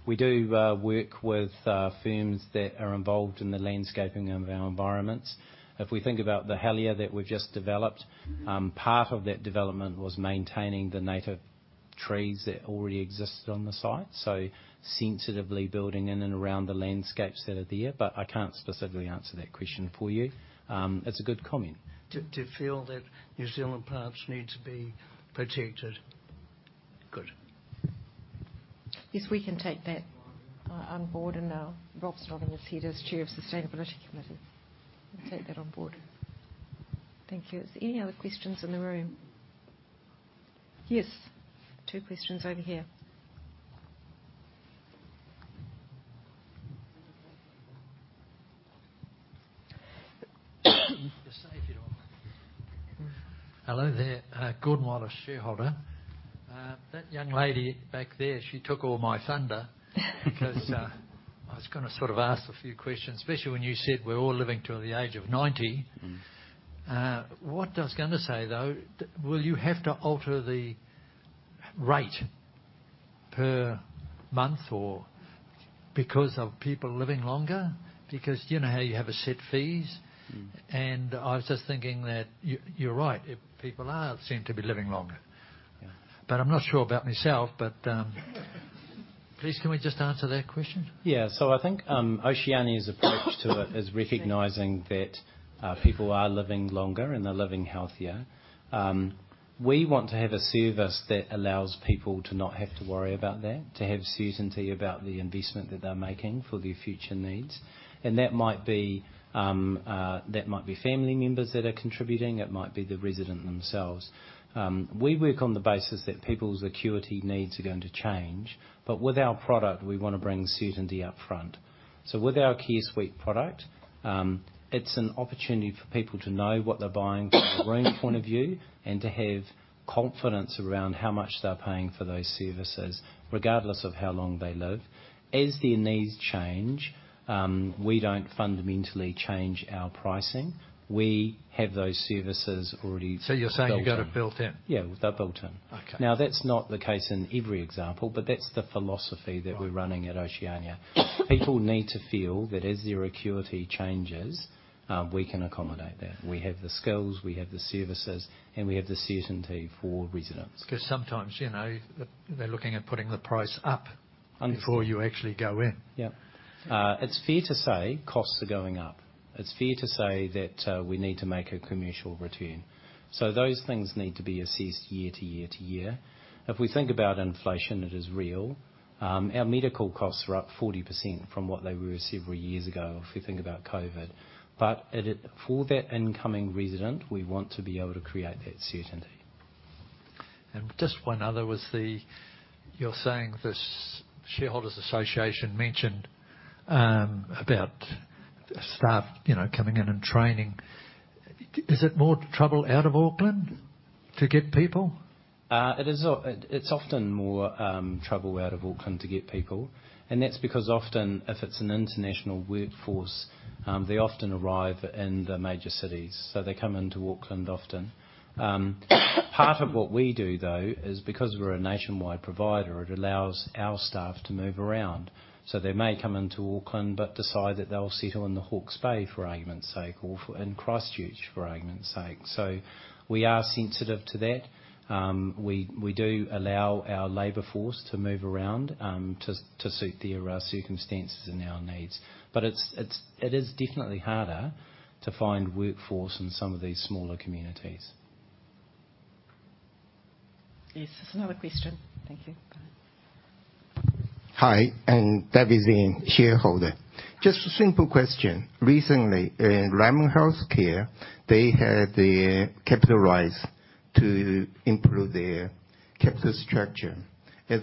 We do work with firms that are involved in the landscaping of our environments. If we think about The Helier that we've just developed, part of that development was maintaining the native trees that already existed on the site. So sensitively building in and around the landscapes that are there. But I can't specifically answer that question for you. It's a good comment. Do you feel that New Zealand plants need to be protected? Good. Yes, we can take that on board, and Rob Hamilton is here as Chair of Sustainability Committee. We'll take that on board. Thank you. Is there any other questions in the room? Yes, two questions over here. Just save it all. Hello there. Gordon Wallace, shareholder. That young lady back there, she took all my thunder—because I was going to sort of ask a few questions, especially when you said we're all living to the age of 90. Mm-hmm. What I was going to say, though, will you have to alter the rate per month or because of people living longer? Because you know how you have a set fees. Mm-hmm. I was just thinking that you're right. People seem to be living longer. Yeah. I'm not sure about myself. Please, can we just answer that question? Yeah. So I think, Oceania's approach to it is recognizing that, people are living longer, and they're living healthier. We want to have a service that allows people to not have to worry about that, to have certainty about the investment that they're making for their future needs. And that might be, that might be family members that are contributing, it might be the resident themselves. We work on the basis that people's acuity needs are going to change, but with our product, we want to bring certainty up front. So with our Care Suite product, it's an opportunity for people to know what they're buying from a room point of view, and to have confidence around how much they're paying for those services, regardless of how long they live. As their needs change, we don't fundamentally change our pricing. We have those services already- So you're saying you got it built in? Yeah, they're built in. Okay. Now, that's not the case in every example, but that's the philosophy that- Right... we're running at Oceania. People need to feel that as their acuity changes, we can accommodate that. We have the skills, we have the services, and we have the certainty for residents. Because sometimes, you know, they're looking at putting the price up- Understood... before you actually go in. Yeah. It's fair to say costs are going up. It's fair to say that we need to make a commercial return. So those things need to be assessed year to year to year. If we think about inflation, it is real. Our medical costs are up 40% from what they were several years ago, if we think about COVID. But at it for that incoming resident, we want to be able to create that certainty. Just one other was the—you’re saying this Shareholders Association mentioned, about staff, you know, coming in and training.... Is it more trouble out of Auckland to get people? It is. It's often more trouble out of Auckland to get people, and that's because often, if it's an international workforce, they often arrive in the major cities, so they come into Auckland often. Part of what we do, though, is because we're a nationwide provider, it allows our staff to move around. So they may come into Auckland but decide that they'll settle in the Hawke's Bay, for argument's sake, or in Christchurch, for argument's sake. So we are sensitive to that. We do allow our labor force to move around, to suit their circumstances and our needs. But it is definitely harder to find workforce in some of these smaller communities. Yes, there's another question. Thank you. Go ahead. Hi, that is a shareholder. Just a simple question. Recently, in Ryman Healthcare, they had the capital raise to improve their capital structure. As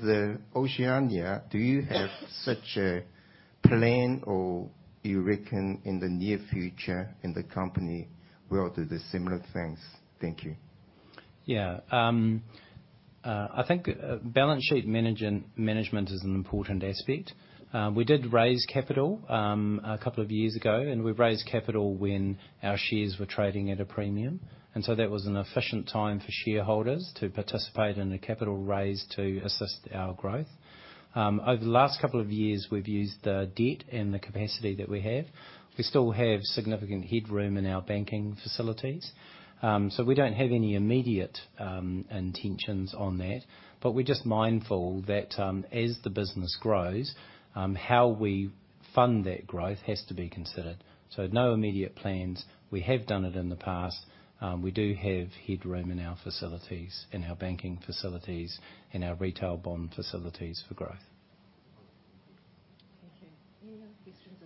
Oceania, do you have such a plan, or you reckon in the near future the company will do the similar things? Thank you. Yeah. I think balance sheet management is an important aspect. We did raise capital a couple of years ago, and we raised capital when our shares were trading at a premium, and so that was an efficient time for shareholders to participate in a capital raise to assist our growth. Over the last couple of years, we've used the debt and the capacity that we have. We still have significant headroom in our banking facilities. So we don't have any immediate intentions on that, but we're just mindful that as the business grows how we fund that growth has to be considered. So no immediate plans. We have done it in the past. We do have headroom in our facilities, in our banking facilities, and our retail bond facilities for growth. Thank you. Any other questions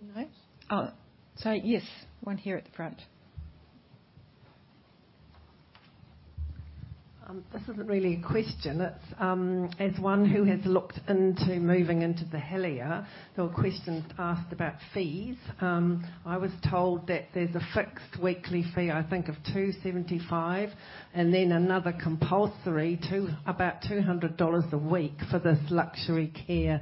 in the room? No? Sorry, yes, one here at the front. This isn't really a question. It's, as one who has looked into moving into The Helier, there were questions asked about fees. I was told that there's a fixed weekly fee, I think, of 275, and then another compulsory about 200 dollars a week for this luxury care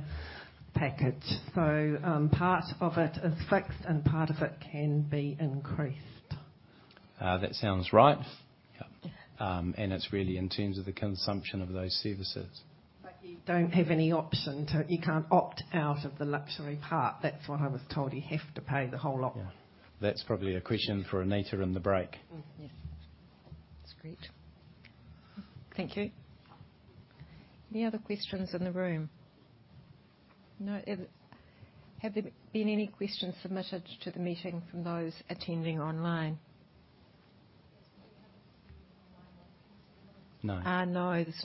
package. So, part of it is fixed, and part of it can be increased. That sounds right. Yeah. And it's really in terms of the consumption of those services. But you don't have any option to—you can't opt out of the luxury part. That's what I was told. You have to pay the whole lot. Yeah. That's probably a question for Anita in the break. Yeah. That's great. Thank you. Any other questions in the room? No. Have there been any questions submitted to the meeting from those attending online? No. No, there's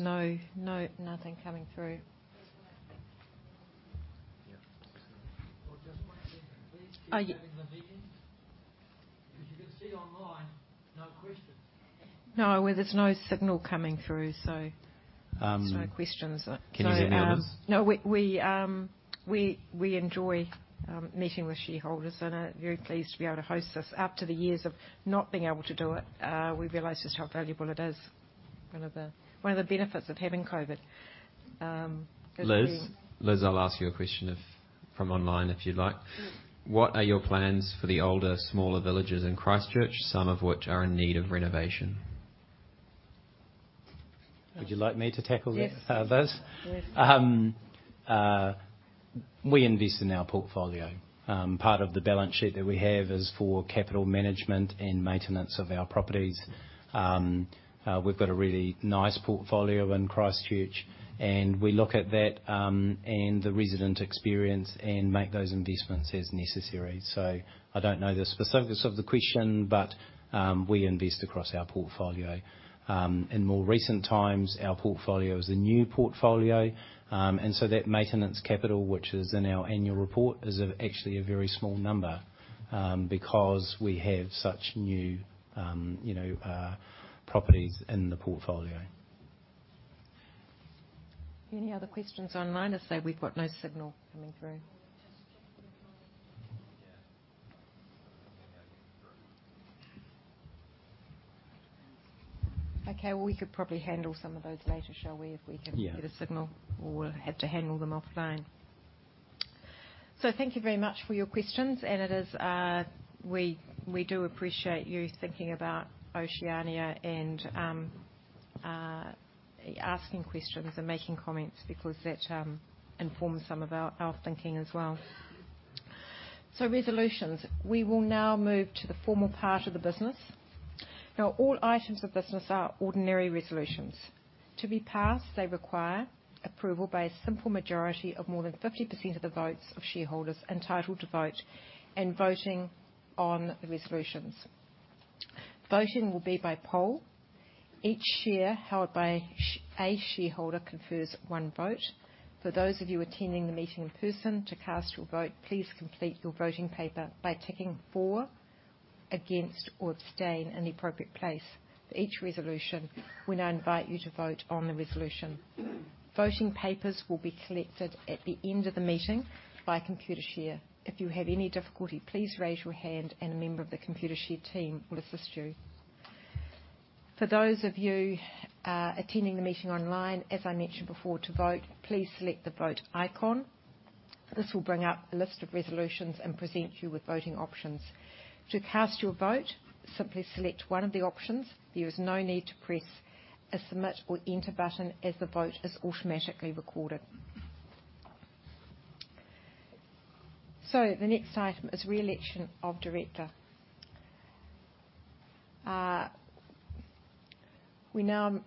nothing coming through. Well, just one second, please. Are you- As you can see online, no questions. No, well, there's no signal coming through, so- Um- No questions. Can you see any others? No, we enjoy meeting with shareholders and are very pleased to be able to host this. After the years of not being able to do it, we've realized just how valuable it is. One of the benefits of having COVID is- Liz? Liz, I'll ask you a question if from online, if you'd like. Yeah. What are your plans for the older, smaller villages in Christchurch, some of which are in need of renovation? Would you like me to tackle this- Yes. -uh, this? Yes. We invest in our portfolio. Part of the balance sheet that we have is for capital management and maintenance of our properties. We've got a really nice portfolio in Christchurch, and we look at that, and the resident experience and make those investments as necessary. So I don't know the specifics of the question, but, we invest across our portfolio. In more recent times, our portfolio is a new portfolio, and so that maintenance capital, which is in our annual report, is actually a very small number, because we have such new, you know, properties in the portfolio. Any other questions online? I say we've got no signal coming through. Yeah. Okay, well, we could probably handle some of those later, shall we? If we can get a signal, or we'll have to handle them offline. So thank you very much for your questions, and it is, we, we do appreciate you thinking about Oceania and, asking questions and making comments because that, informs some of our, our thinking as well. So resolutions. We will now move to the formal part of the business. Now, all items of business are ordinary resolutions. To be passed, they require approval by a simple majority of more than 50% of the votes of shareholders entitled to vote and voting on the resolutions. Voting will be by poll. Each share held by a shareholder confers one vote. For those of you attending the meeting in person, to cast your vote, please complete your voting paper by ticking for, against, or abstain in the appropriate place for each resolution, when I invite you to vote on the resolution. Voting papers will be collected at the end of the meeting by Computershare. If you have any difficulty, please raise your hand, and a member of the Computershare team will assist you. .For those of you attending the meeting online, as I mentioned before, to vote, please select the Vote icon. This will bring up a list of resolutions and present you with voting options. To cast your vote, simply select one of the options. There is no need to press a Submit or Enter button, as the vote is automatically recorded. So the next item is re-election of director. We now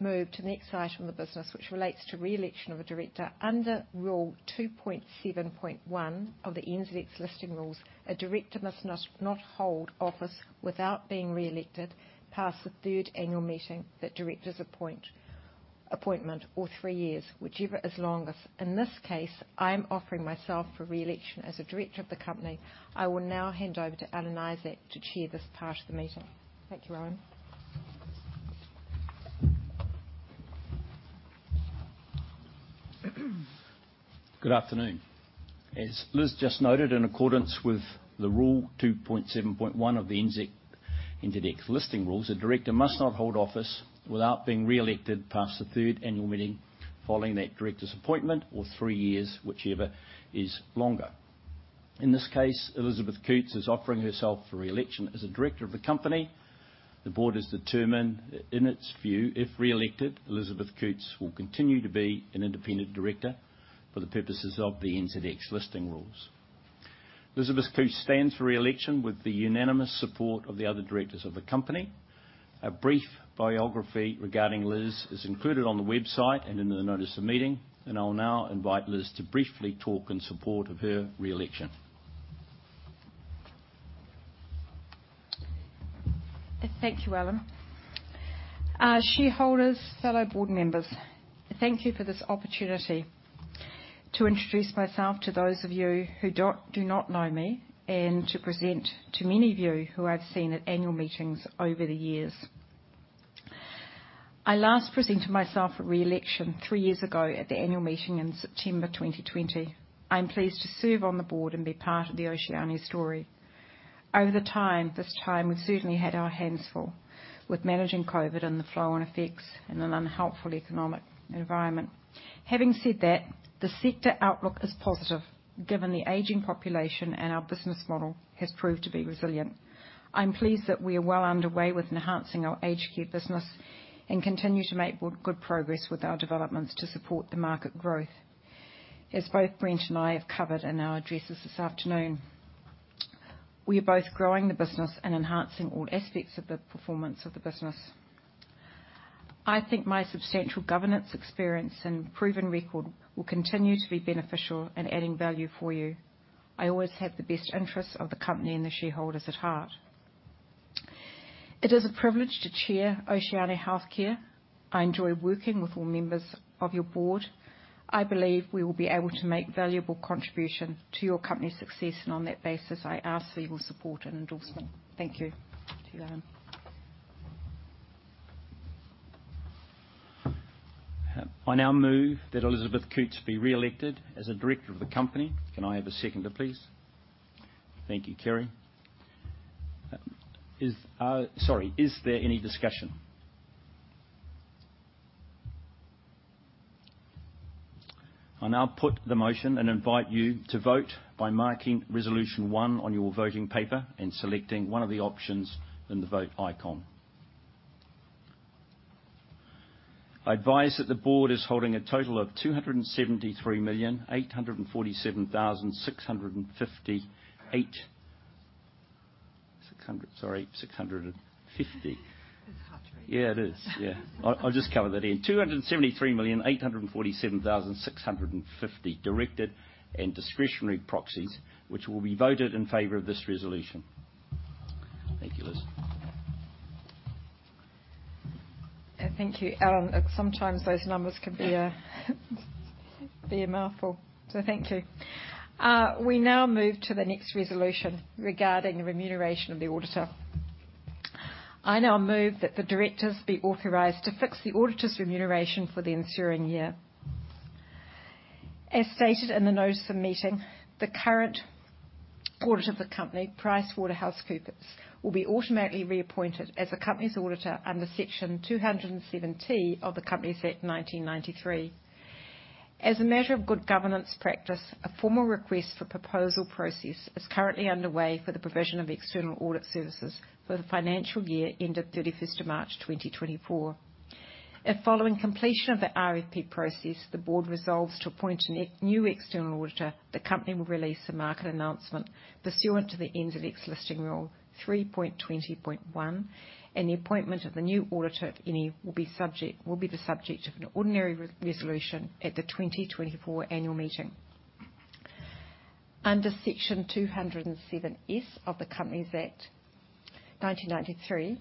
move to the next item of business, which relates to re-election of a director. Under Rule 2.7.1 of the NZX Listing Rules, "A director must not hold office without being re-elected past the third annual meeting, that director's appointment, or three years, whichever is longest." In this case, I am offering myself for re-election as a director of the company. I will now hand over to Alan Isaac to chair this part of the meeting. Thank you, Alan. Good afternoon. As Liz just noted, in accordance with Rule 2.7.1 of the NZX Listing Rules, "A director must not hold office without being re-elected past the third annual meeting following that director's appointment or three years, whichever is longer." In this case, Elizabeth Coutts is offering herself for re-election as a director of the company. The board has determined, in its view, if re-elected, Elizabeth Coutts will continue to be an independent director for the purposes of the NZX Listing Rules. Elizabeth Coutts stands for re-election with the unanimous support of the other directors of the company. A brief biography regarding Liz is included on the website and in the notice of meeting, and I'll now invite Liz to briefly talk in support of her re-election. Thank you, Alan. Shareholders, fellow board members, thank you for this opportunity to introduce myself to those of you who do not know me, and to present to many of you who I've seen at annual meetings over the years. I last presented myself for re-election three years ago at the annual meeting in September 2020. I'm pleased to serve on the board and be part of the Oceania story. Over the time, this time, we've certainly had our hands full with managing COVID and the flow and effects in an unhelpful economic environment. Having said that, the sector outlook is positive given the aging population, and our business model has proved to be resilient. I'm pleased that we are well underway with enhancing our aged care business and continue to make good, good progress with our developments to support the market growth. As both Brent and I have covered in our addresses this afternoon, we are both growing the business and enhancing all aspects of the performance of the business. I think my substantial governance experience and proven record will continue to be beneficial in adding value for you. I always have the best interests of the company and the shareholders at heart. It is a privilege to chair Oceania Healthcare. I enjoy working with all members of your board. I believe we will be able to make valuable contribution to your company's success, and on that basis, I ask for your support and endorsement. Thank you. To you, Alan. I now move that Elizabeth Coutts be re-elected as a director of the company. Can I have a seconder, please? Thank you, Kerry. Sorry, is there any discussion? I now put the motion and invite you to vote by marking Resolution 1 on your voting paper and selecting one of the options in the Vote icon. I advise that the board is holding a total of 273,847,650. It's hard to read. Yeah, it is. Yeah. I, I'll just cover that again. 273,847,650 directed and discretionary proxies, which will be voted in favor of this resolution. Thank you, Liz. Thank you, Alan. Sometimes those numbers can be a mouthful, so thank you. We now move to the next resolution regarding the remuneration of the auditor. I now move that the directors be authorized to fix the auditor's remuneration for the ensuing year. As stated in the notice of meeting, the current auditor of the company, PricewaterhouseCoopers, will be automatically reappointed as the company's auditor under Section 207T of the Companies Act 1993. As a matter of good governance practice, a formal request for proposal process is currently underway for the provision of external audit services for the financial year ending 31 March 2024. If following completion of the RFP process, the board resolves to appoint a new external auditor, the company will release a market announcement pursuant to the NZX Listing Rule 3.20.1, and the appointment of the new auditor, if any, will be subject, will be the subject of an ordinary resolution at the 2024 Annual Meeting. Under Section 207S of the Companies Act 1993,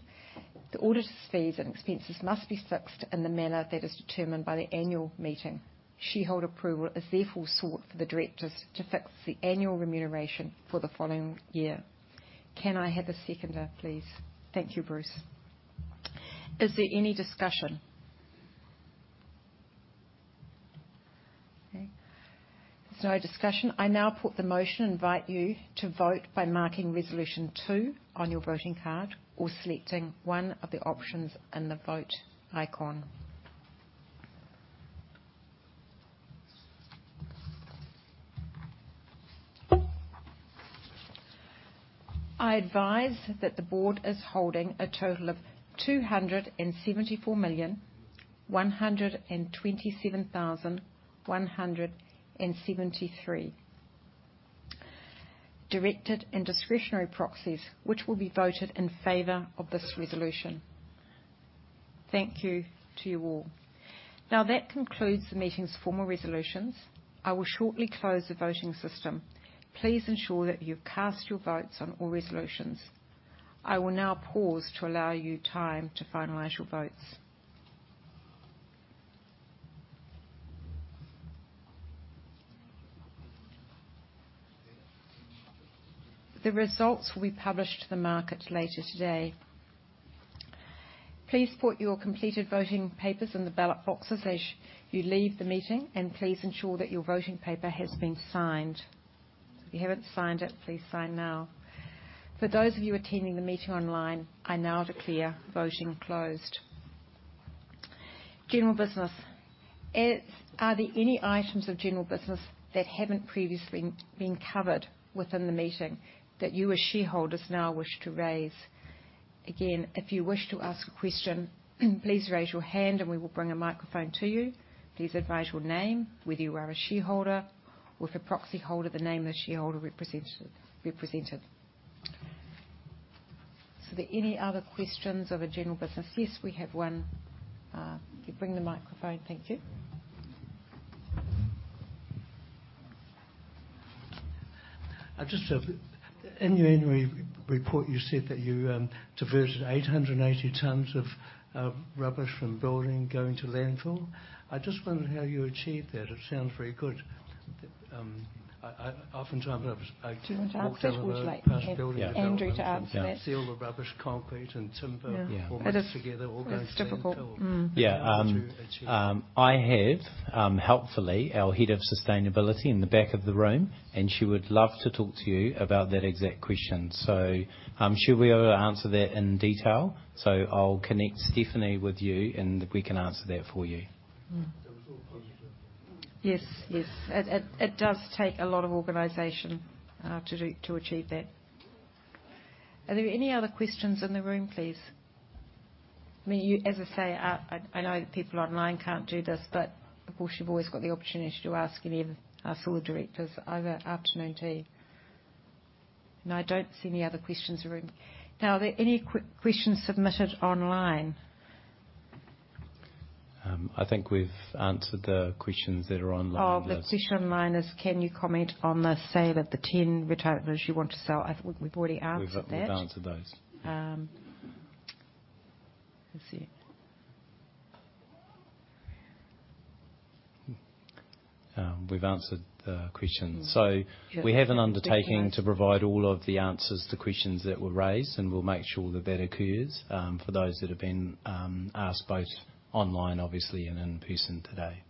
the auditor's fees and expenses must be fixed in the manner that is determined by the annual meeting. Shareholder approval is therefore sought for the directors to fix the annual remuneration for the following year. Can I have a seconder, please? Thank you, Bruce. Is there any discussion?... There's no discussion. I now put the motion and invite you to vote by marking Resolution 2 on your voting card or selecting one of the options in the Vote icon. I advise that the board is holding a total of 274,127,173 directed and discretionary proxies, which will be voted in favor of this resolution. Thank you to you all. Now, that concludes the meeting's formal resolutions. I will shortly close the voting system. Please ensure that you've cast your votes on all resolutions. I will now pause to allow you time to finalize your votes. The results will be published to the market later today. Please put your completed voting papers in the ballot boxes as you leave the meeting, and please ensure that your voting paper has been signed. If you haven't signed it, please sign now. For those of you attending the meeting online, I now declare voting closed. General business. Are there any items of general business that haven't previously been covered within the meeting that you, as shareholders, now wish to raise? Again, if you wish to ask a question, please raise your hand, and we will bring a microphone to you. Please advise your name, whether you are a shareholder or if a proxy holder, the name of the shareholder represented, represented. So are there any other questions of a general business? Yes, we have one. Can you bring the microphone? Thank you. Just, in your annual report, you said that you diverted 880 tons of rubbish from building going to landfill. I just wondered how you achieved that. It sounds very good. I oftentimes I- First, would you like to have Andrew to answer that? Yeah. See all the rubbish, concrete, and timber- Yeah all together, all going It is difficult. Mm. Yeah. To achieve. I have, helpfully, our Head of Sustainability in the back of the room, and she would love to talk to you about that exact question. So, she'll be able to answer that in detail. I'll connect Stephanie with you, and we can answer that for you. Mm. That was all positive. Yes, yes. It does take a lot of organization to achieve that. Are there any other questions in the room, please? I mean, as I say, I know people online can't do this, but of course, you've always got the opportunity to ask any of us or the directors over afternoon tea. No, I don't see any other questions in the room. Now, are there any questions submitted online? I think we've answered the questions that are online. Oh, the question online is, "Can you comment on the sale of the 10 retirements you want to sell?" I think we've already answered that. We've answered those. Let's see. We've answered the questions. Mm. We have an undertaking to provide all of the answers to questions that were raised, and we'll make sure that that occurs for those that have been asked, both online, obviously, and in person today.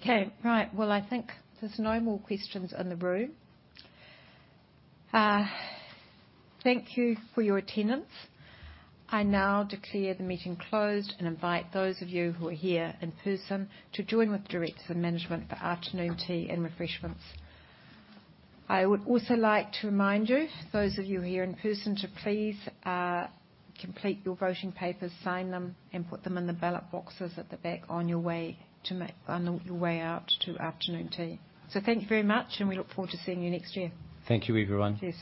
Okay, right. Well, I think there's no more questions in the room. Thank you for your attendance. I now declare the meeting closed and invite those of you who are here in person to join with the directors and management for afternoon tea and refreshments. I would also like to remind you, those of you here in person, to please complete your voting papers, sign them, and put them in the ballot boxes at the back on your way out to afternoon tea. So thank you very much, and we look forward to seeing you next year. Thank you, everyone.